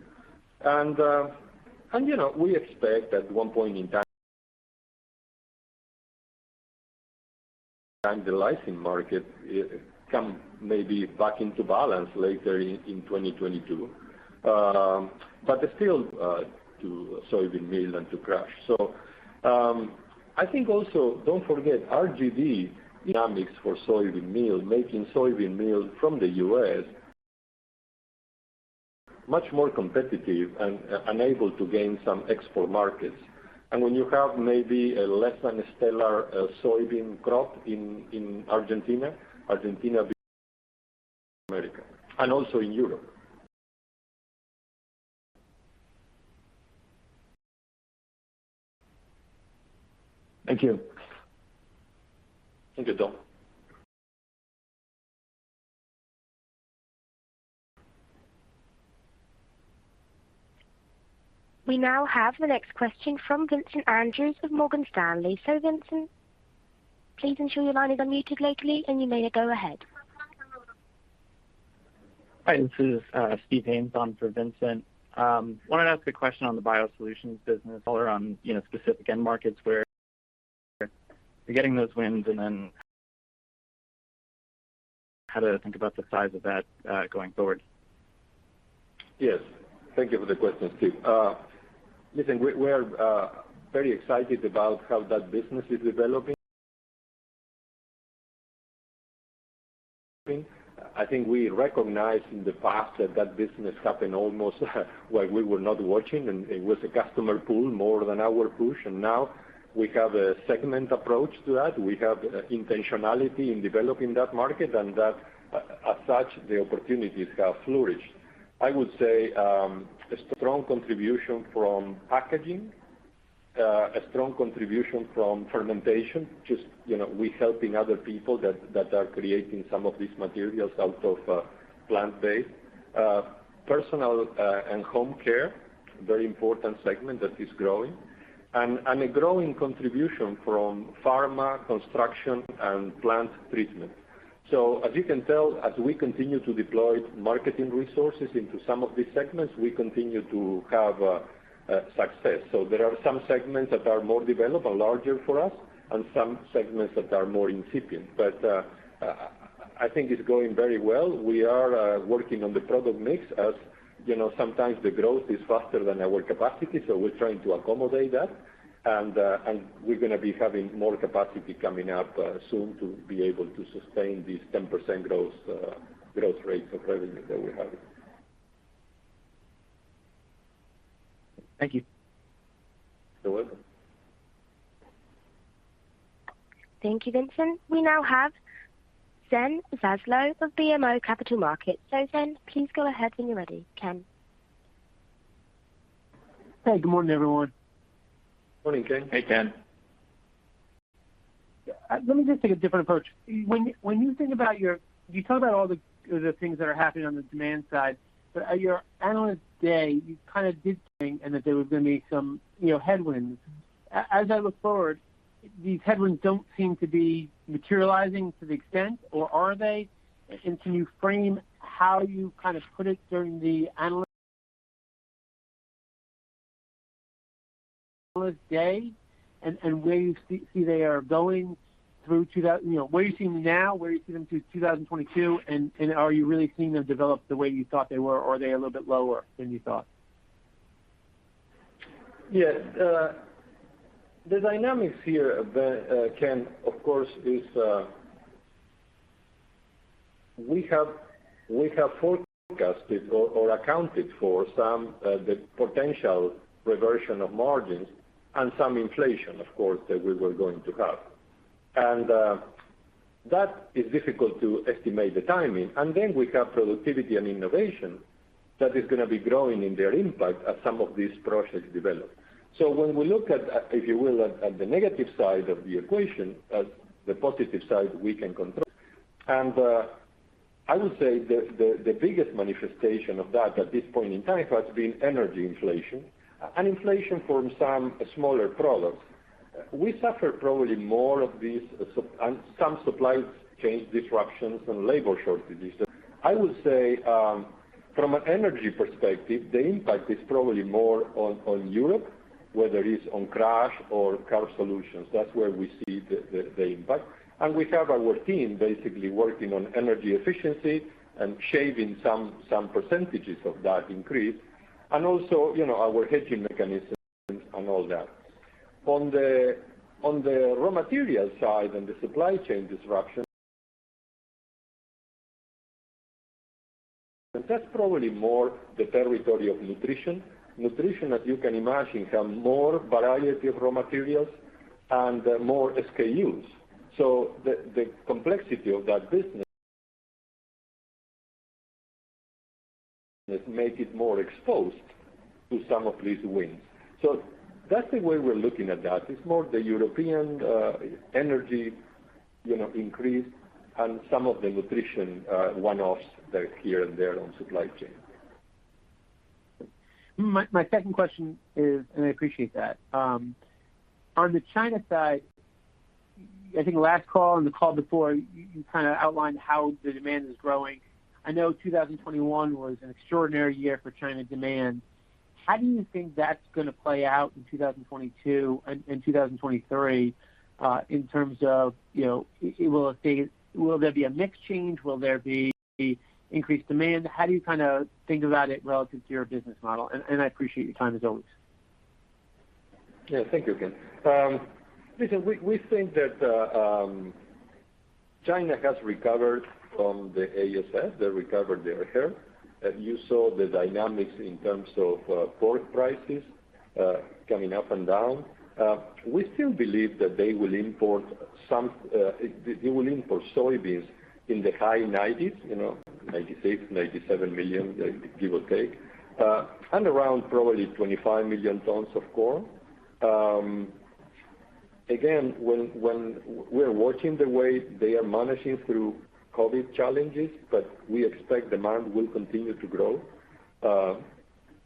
Speaker 3: You know, we expect at one point in time, the lysine market come maybe back into balance later in 2022. But still, to soybean meal and to crush. I think also don't forget RGD dynamics for soybean meal, making soybean meal from the U.S. much more competitive and able to gain some export markets. When you have maybe a less than stellar soybean crop in Argentina, South America, and also in Europe.
Speaker 9: Thank you.
Speaker 3: Thank you, Tom.
Speaker 1: We now have the next question from Vincent Andrews of Morgan Stanley. Vincent, please ensure your line is unmuted locally, and you may now go ahead.
Speaker 10: Hi, this is Steven Haynes on for Vincent. Wanted to ask a question on the BioSolutions business or on, you know, specific end markets where you're getting those wins and then how to think about the size of that going forward.
Speaker 3: Yes. Thank you for the question, Steven. Listen, we're very excited about how that business is developing. I think we recognized in the past that business happened almost while we were not watching, and it was a customer pull more than our push, and now we have a segment approach to that. We have intentionality in developing that market, and that as such, the opportunities have flourished. I would say a strong contribution from packaging, a strong contribution from fermentation, just you know we helping other people that are creating some of these materials out of plant-based. Personal and home care, very important segment that is growing. A growing contribution from pharma, construction, and plant treatment. As you can tell, as we continue to deploy marketing resources into some of these segments, we continue to have success. There are some segments that are more developed and larger for us and some segments that are more incipient. I think it's going very well. We are working on the product mix. As you know, sometimes the growth is faster than our capacity, so we're trying to accommodate that. And we're gonna be having more capacity coming up soon to be able to sustain these 10% growth rates of revenue that we have.
Speaker 10: Thank you.
Speaker 3: You're welcome.
Speaker 1: Thank you, Vincent. We now have Ken Zaslow of BMO Capital Markets. Ken, please go ahead when you're ready. Ken.
Speaker 11: Hey, good morning, everyone.
Speaker 3: Morning, Ken.
Speaker 4: Hey, Ken.
Speaker 11: Let me just take a different approach. When you think about your. You talk about all the things that are happening on the demand side. At your Analyst Day, you kind of did something and that there was gonna be some, you know, headwinds. As I look forward, these headwinds don't seem to be materializing to the extent, or are they? Can you frame how you kind of put it during the Analyst Day and where you see they are going. You know, where are you seeing now? Where are you seeing through 2022, and are you really seeing them develop the way you thought they were, or are they a little bit lower than you thought?
Speaker 3: Yes. The dynamics here, Ken, of course, is that we have forecasted or accounted for some of the potential reversion of margins and some inflation, of course, that we were going to have. That is difficult to estimate the timing. Then we have productivity and innovation. That is going to be growing in their impact as some of these projects develop. When we look at, if you will, at the negative side of the equation, as the positive side we can control. I would say the biggest manifestation of that at this point in time has been energy inflation and inflation from some smaller products. We suffer probably more of these supply and some supply chain disruptions and labor shortages. I would say from an energy perspective, the impact is probably more on Europe, whether it's on crush or Carbohydrate Solutions. That's where we see the impact. We have our team basically working on energy efficiency and shaving some percentages of that increase and also, you know, our hedging mechanisms and all that. On the raw material side and the supply chain disruption, that's probably more the territory of Nutrition. Nutrition, as you can imagine, have more variety of raw materials and more SKUs. That's the way we're looking at that. It's more the European energy, you know, increase and some of the Nutrition one-offs that are here and there on supply chain.
Speaker 11: My second question is. I appreciate that. On the China side, I think last call and the call before, you kind of outlined how the demand is growing. I know 2021 was an extraordinary year for China demand. How do you think that's gonna play out in 2022 and 2023 in terms of, you know, will there be a mix change? Will there be increased demand? How do you kind of think about it relative to your business model? I appreciate your time as always.
Speaker 3: Yeah, thank you, Ken. Listen, we think that China has recovered from the ASF. They recovered their herd. You saw the dynamics in terms of pork prices coming up and down. We still believe that they will import soybeans in the high nineties, you know, 96, 97 million, give or take, and around probably 25 million tons of corn. Again, we're watching the way they are managing through COVID challenges, but we expect demand will continue to grow.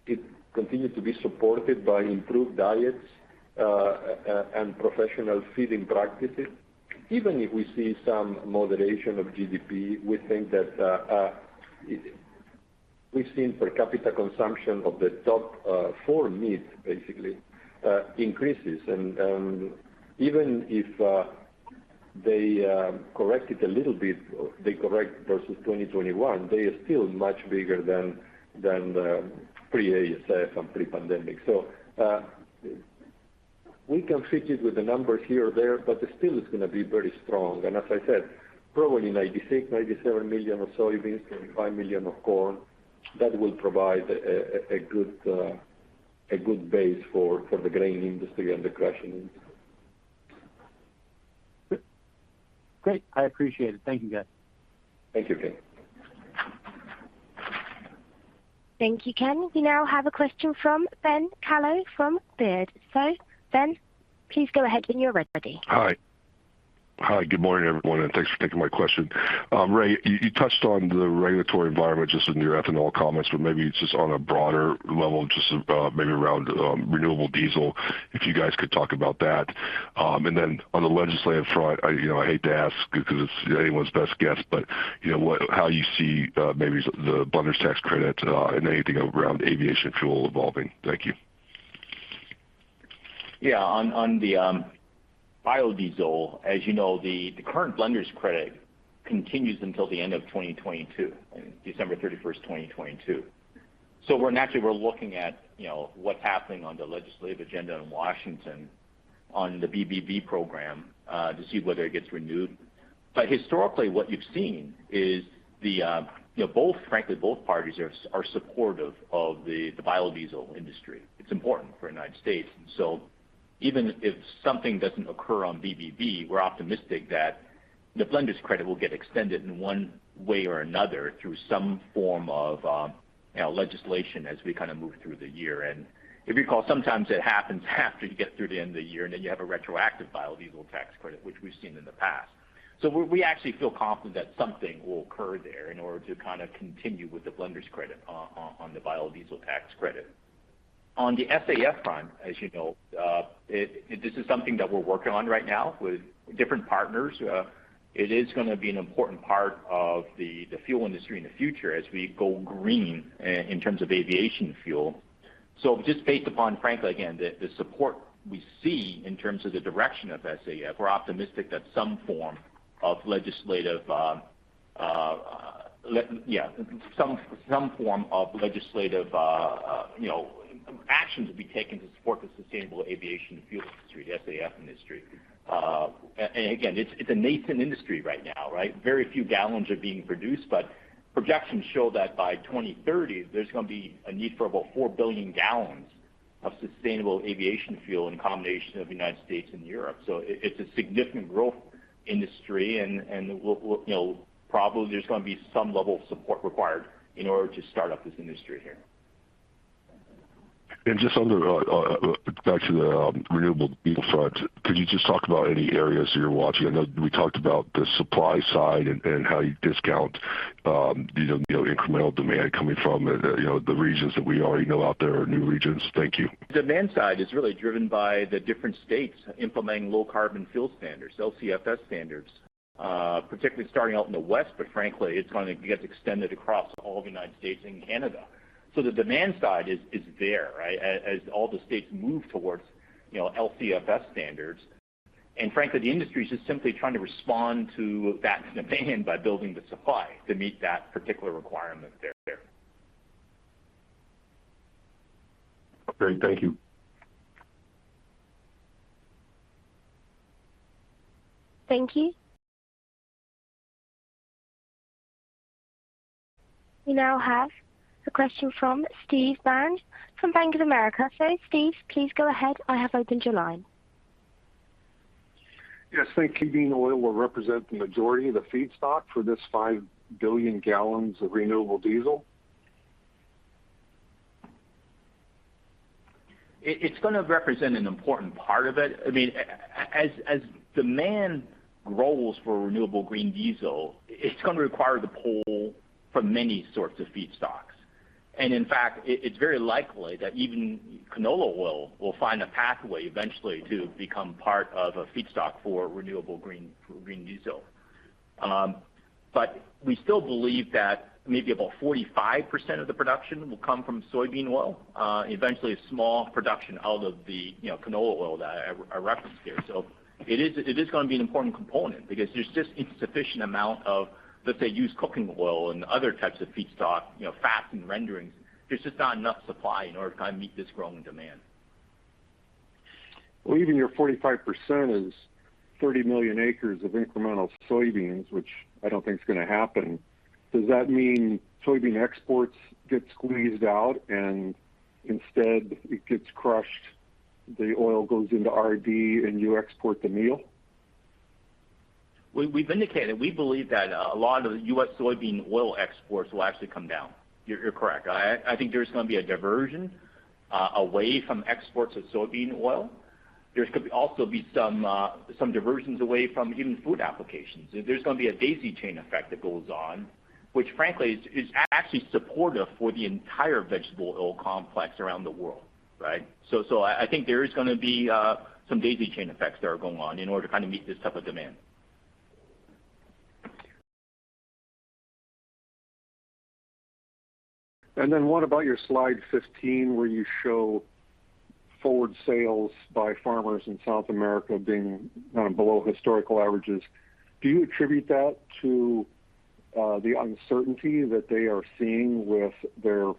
Speaker 3: It continues to be supported by improved diets and professional feeding practices. Even if we see some moderation of GDP, we think that we've seen per capita consumption of the top four meats basically increase. Even if they correct it a little bit, they correct versus 2021; they are still much bigger than pre-ASF and pre-pandemic. We can fit it with the numbers here or there, but still it's gonna be very strong. As I said, probably 96-97 million of soybeans, 25 million of corn, that will provide a good base for the grain industry and the crushing industry.
Speaker 11: Great. I appreciate it. Thank you, guys.
Speaker 3: Thank you, Ken.
Speaker 1: Thank you, Ken. We now have a question from Ben Kallo from Baird. Ben, please go ahead when you're ready.
Speaker 12: Hi. Hi, good morning, everyone, and thanks for taking my question. Ray, you touched on the regulatory environment just in your ethanol comments, but maybe just on a broader level, just, maybe around renewable diesel, if you guys could talk about that. Then on the legislative front, you know, I hate to ask because it's anyone's best guess, but you know, how you see maybe the blenders tax credit and anything around aviation fuel evolving. Thank you.
Speaker 4: Yeah. On the biodiesel, as you know, the current blender's credit continues until the end of 2022, December 31, 2022. We're naturally looking at, you know, what's happening on the legislative agenda in Washington on the BBB program to see whether it gets renewed. Historically, what you've seen is, you know, both, frankly, both parties are supportive of the biodiesel industry. It's important for the United States. Even if something doesn't occur on BBB, we're optimistic that the blender's credit will get extended in one way or another through some form of, you know, legislation as we kind of move through the year. If you recall, sometimes it happens after you get through the end of the year, and then you have a retroactive biodiesel tax credit, which we've seen in the past. We actually feel confident that something will occur there in order to kind of continue with the blender's credit on the biodiesel tax credit. On the SAF front, as you know, this is something that we're working on right now with different partners. It is gonna be an important part of the fuel industry in the future as we go green in terms of aviation fuel. Just based upon, frankly, again, the support we see in terms of the direction of SAF, we're optimistic that some form of legislative action to be taken to support the sustainable aviation fuel industry, SAF industry. Again, it's a nascent industry right now, right? Very few gallons are being produced, but projections show that by 2030, there's gonna be a need for about 4 billion gal of sustainable aviation fuel in combination of United States and Europe. It's a significant growth industry and we'll you know probably there's gonna be some level of support required in order to start up this industry here.
Speaker 12: Just on the back to the renewable diesel front, could you just talk about any areas you're watching? I know we talked about the supply side and how you discount, you know, incremental demand coming from the, you know, the regions that we already know out there or new regions. Thank you.
Speaker 4: Demand side is really driven by the different states implementing low carbon fuel standards, LCFS standards, particularly starting out in the West, but frankly it's gonna get extended across all the United States and Canada. The demand side is there, right? As all the states move towards, you know, LCFS standards. The industry is just simply trying to respond to that demand by building the supply to meet that particular requirement there.
Speaker 12: Okay, thank you.
Speaker 1: Thank you. We now have a question from Steve Byrne from Bank of America. Steve, please go ahead. I have opened your line.
Speaker 13: Yes, thank you. Bean oil will represent the majority of the feedstock for these 5 billion gal of renewable diesel.
Speaker 4: It's gonna represent an important part of it. I mean, as demand grows for Renewable Green Diesel, it's gonna require the pull from many sorts of feedstocks. In fact, it's very likely that even canola oil will find a pathway eventually to become part of a feedstock for Renewable Green Diesel. But we still believe that maybe about 45% of the production will come from soybean oil. Eventually a small production out of the, you know, canola oil that I referenced here. It is gonna be an important component because there's just insufficient amount of, let's say, used cooking oil and other types of feedstock, you know, fats and renderings. There's just not enough supply in order to kind of meet this growing demand.
Speaker 13: Well, even your 45% is 30 million acres of incremental soybeans, which I don't think is gonna happen. Does that mean soybean exports get squeezed out and instead it gets crushed, the oil goes into RD, and you export the meal?
Speaker 4: We've indicated we believe that a lot of the U.S. soybean oil exports will actually come down. You're correct. I think there's gonna be a diversion away from exports of soybean oil. There could also be some diversions away from even food applications. There's gonna be a daisy chain effect that goes on, which frankly is actually supportive for the entire vegetable oil complex around the world, right? I think there is gonna be some daisy chain effects that are going on in order to kind of meet this type of demand.
Speaker 13: What about your slide 15, where you show forward sales by farmers in South America being kind of below historical averages? Do you attribute that to the uncertainty that they are seeing with their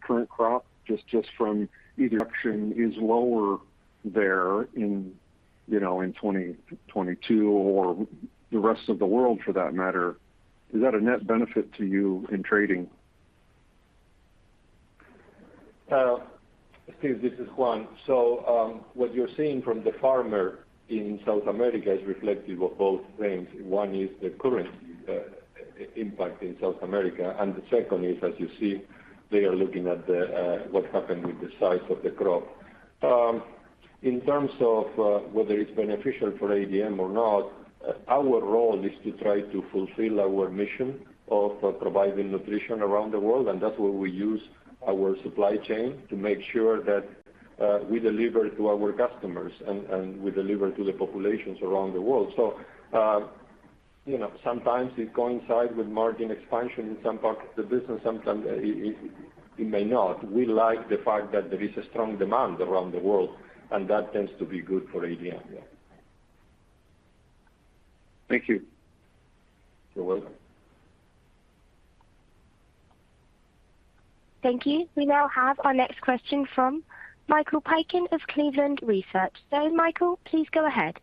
Speaker 13: current crop, just from either action is lower there in, you know, in 2022 or the rest of the world for that matter? Is that a net benefit to you in trading?
Speaker 3: Steve, this is Juan. What you're seeing from the farmer in South America is reflective of both things. One is the current impact in South America, and the second is, as you see, they are looking at the what happened with the size of the crop. In terms of whether it's beneficial for ADM or not, our role is to try to fulfill our mission of providing nutrition around the world, and that's where we use our supply chain to make sure that we deliver to our customers and we deliver to the populations around the world. You know, sometimes it coincides with margin expansion in some parts of the business. Sometimes it may not. We like the fact that there is a strong demand around the world, and that tends to be good for ADM, yeah.
Speaker 13: Thank you.
Speaker 3: You're welcome.
Speaker 1: Thank you. We now have our next question from Michael Piken of Cleveland Research. Michael, please go ahead.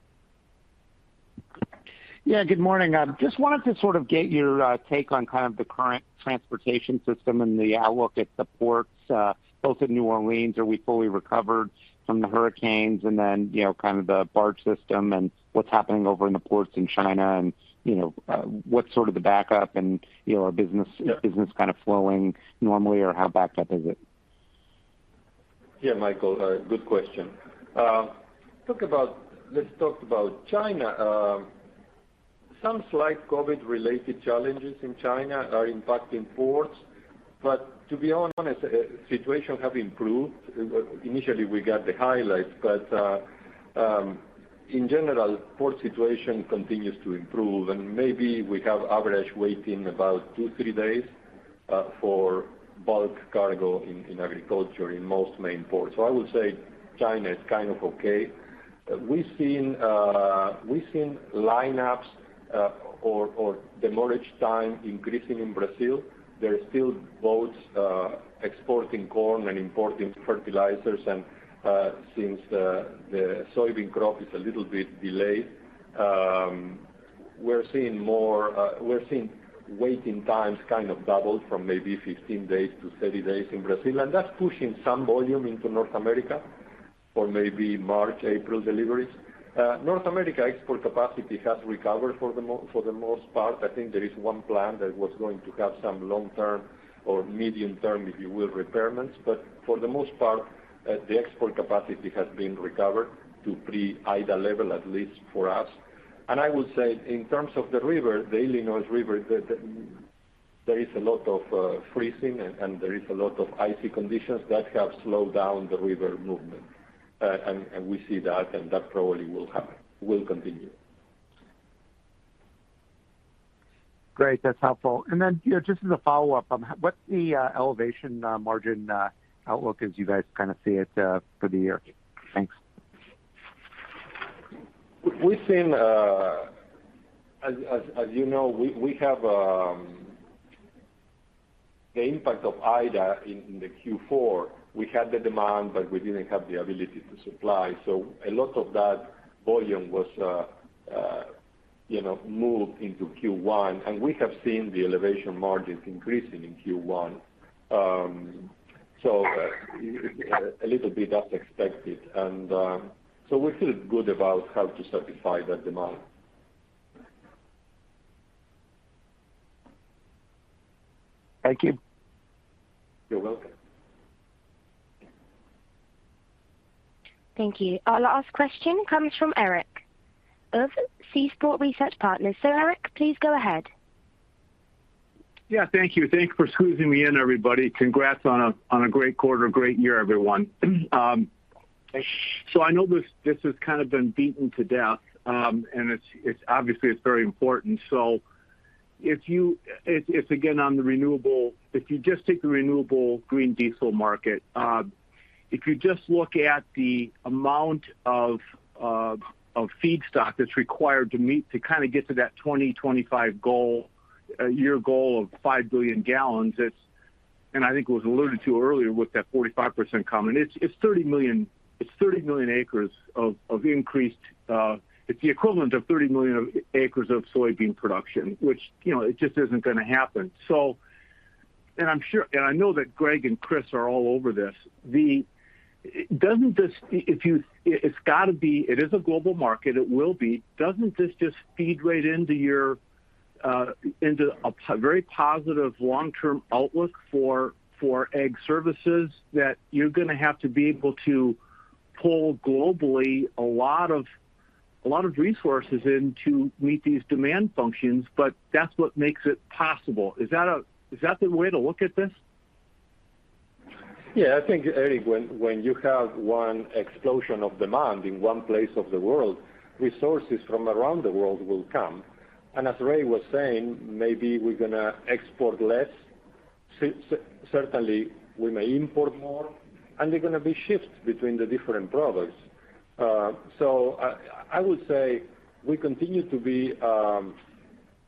Speaker 14: Yeah, good morning. I just wanted to sort of get your take on kind of the current transportation system and the outlook at the ports, both at New Orleans. Are we fully recovered from the hurricanes? You know, kind of the barge system and what's happening over in the ports in China, and, you know, what's sort of the backup and, you know, are business-
Speaker 3: Yeah.
Speaker 14: Is business kind of flowing normally or how backed up is it?
Speaker 3: Yeah, Michael, good question. Let's talk about China. Some slight COVID-related challenges in China are impacting ports, but to be honest, situation have improved. Initially, we got the headwinds. In general, port situation continues to improve. Maybe we have average waiting about two-three days for bulk cargo in agriculture in most main ports. I would say China is kind of okay. We've seen lineups or demurrage time increasing in Brazil. There are still boats exporting corn and importing fertilizers. Since the soybean crop is a little bit delayed, we're seeing waiting times kind of double from maybe 15 days to 30 days in Brazil, and that's pushing some volume into North America for maybe March, April deliveries. North America export capacity has recovered for the most part. I think there is one plant that was going to have some long-term or medium-term, if you will, repairs. But for the most part, the export capacity has been recovered to pre-IDA level, at least for us. I would say in terms of the river, the Illinois River, there is a lot of freezing and there is a lot of icy conditions that have slowed down the river movement. And we see that, and that probably will continue.
Speaker 14: Great. That's helpful. You know, just as a follow-up, what's the EBITDA margin outlook as you guys kind of see it for the year? Thanks.
Speaker 3: We've seen. As you know, we have the impact of IDA in Q4. We had the demand, but we didn't have the ability to supply. A lot of that volume was, you know, moved into Q1, and we have seen the elevated margins increasing in Q1. A little bit as expected. We feel good about how that satisfies that demand.
Speaker 14: Thank you.
Speaker 3: You're welcome.
Speaker 1: Thank you. Our last question comes from Eric of Seaport Research Partners. Eric, please go ahead.
Speaker 15: Yeah, thank you. Thank you for squeezing me in, everybody. Congrats on a great quarter, great year, everyone. I know this has kind of been beaten to death, and it's obviously very important. If again on the renewable, if you just take the renewable green diesel market, if you just look at the amount of feedstock that's required to meet to kind of get to that 2025 goal, year goal of 5 billion gal, it's 30 million acres of increased. I think it was alluded to earlier with that 45% comment. It's 30 million acres of increased. It's the equivalent of 30 million acres of soybean production, which, you know, it just isn't gonna happen. I'm sure, and I know that Greg and Chris are all over this. It's gotta be, it is a global market. It will be. Doesn't this just feed right into your very positive long-term outlook for Ag Services, that you're gonna have to be able to pull globally a lot of resources in to meet these demand functions, but that's what makes it possible? Is that the way to look at this?
Speaker 3: Yeah. I think, Eric, when you have one explosion of demand in one place of the world, resources from around the world will come. As Ray was saying, maybe we're gonna export less. Certainly, we may import more, and they're gonna be shifts between the different products. I would say we continue to be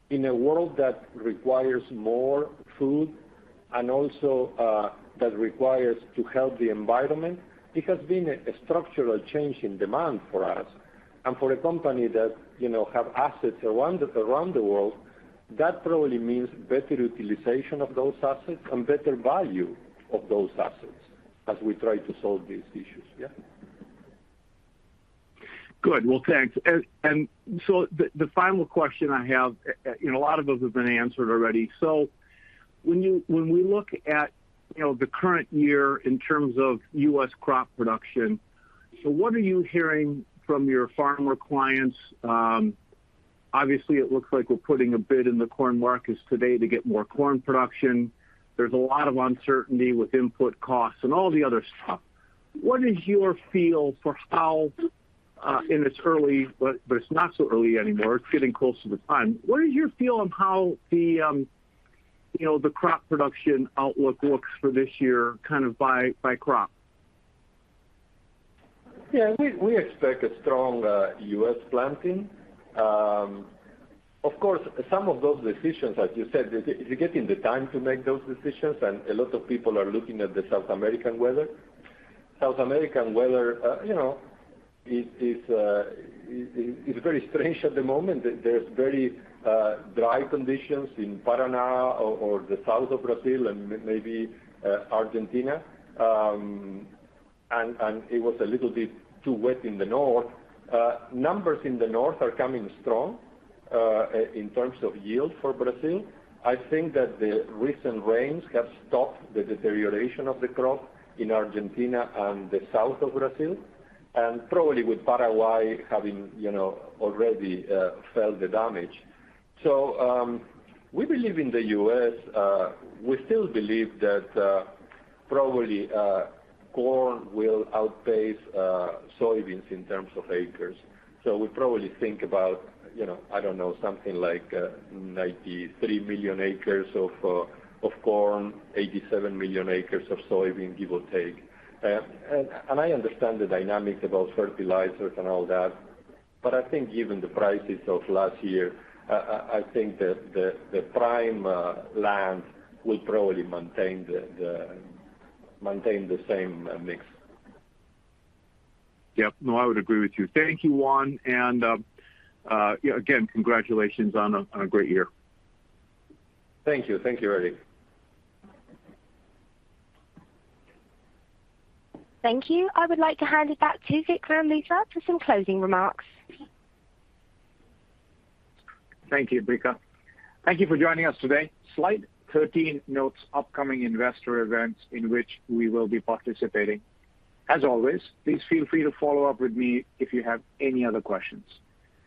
Speaker 3: in a world that requires more food and also that requires to help the environment. It has been a structural change in demand for us. For a company that have assets around the world, that probably means better utilization of those assets and better value of those assets as we try to solve these issues. Yeah.
Speaker 15: Good. Well, thanks. The final question I have, you know, a lot of those have been answered already. When we look at, you know, the current year in terms of U.S. crop production, what are you hearing from your farmer clients? Obviously, it looks like we're putting a bid in the corn markets today to get more corn production. There's a lot of uncertainty with input costs and all the other stuff. What is your feel for how, and it's early, but it's not so early anymore. It's getting close to the time. What is your feel on how the, you know, the crop production outlook looks for this year, kind of by crop?
Speaker 3: Yeah. We expect a strong U.S. planting. Of course, some of those decisions, as you said, is getting the time to make those decisions, and a lot of people are looking at the South American weather. South American weather, you know, is very strange at the moment. There's very dry conditions in Paraná or the south of Brazil and maybe Argentina. It was a little bit too wet in the north. Numbers in the north are coming strong in terms of yield for Brazil. I think that the recent rains have stopped the deterioration of the crop in Argentina and the south of Brazil, and probably with Paraguay having, you know, already felt the damage. We believe in the U.S., we still believe that probably corn will outpace soybeans in terms of acres. We probably think about, you know, I don't know, something like 93 million acres of corn, 87 million acres of soybeans, give or take. I understand the dynamics about fertilizers and all that, but I think given the prices of last year, I think the prime lands will probably maintain the same mix.
Speaker 15: Yep. No, I would agree with you. Thank you, Juan. Again, congratulations on a great year.
Speaker 3: Thank you. Thank you, Eric.
Speaker 1: Thank you. I would like to hand it back to Vikram and Lisa for some closing remarks.
Speaker 2: Thank you, Breeka. Thank you for joining us today. Slide 13 notes upcoming investor events in which we will be participating. As always, please feel free to follow up with me if you have any other questions.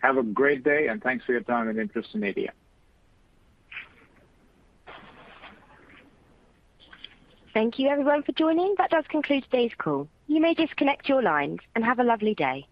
Speaker 2: Have a great day, and thanks for your time and interest in ADM.
Speaker 1: Thank you everyone for joining. That does conclude today's call. You may disconnect your lines and have a lovely day.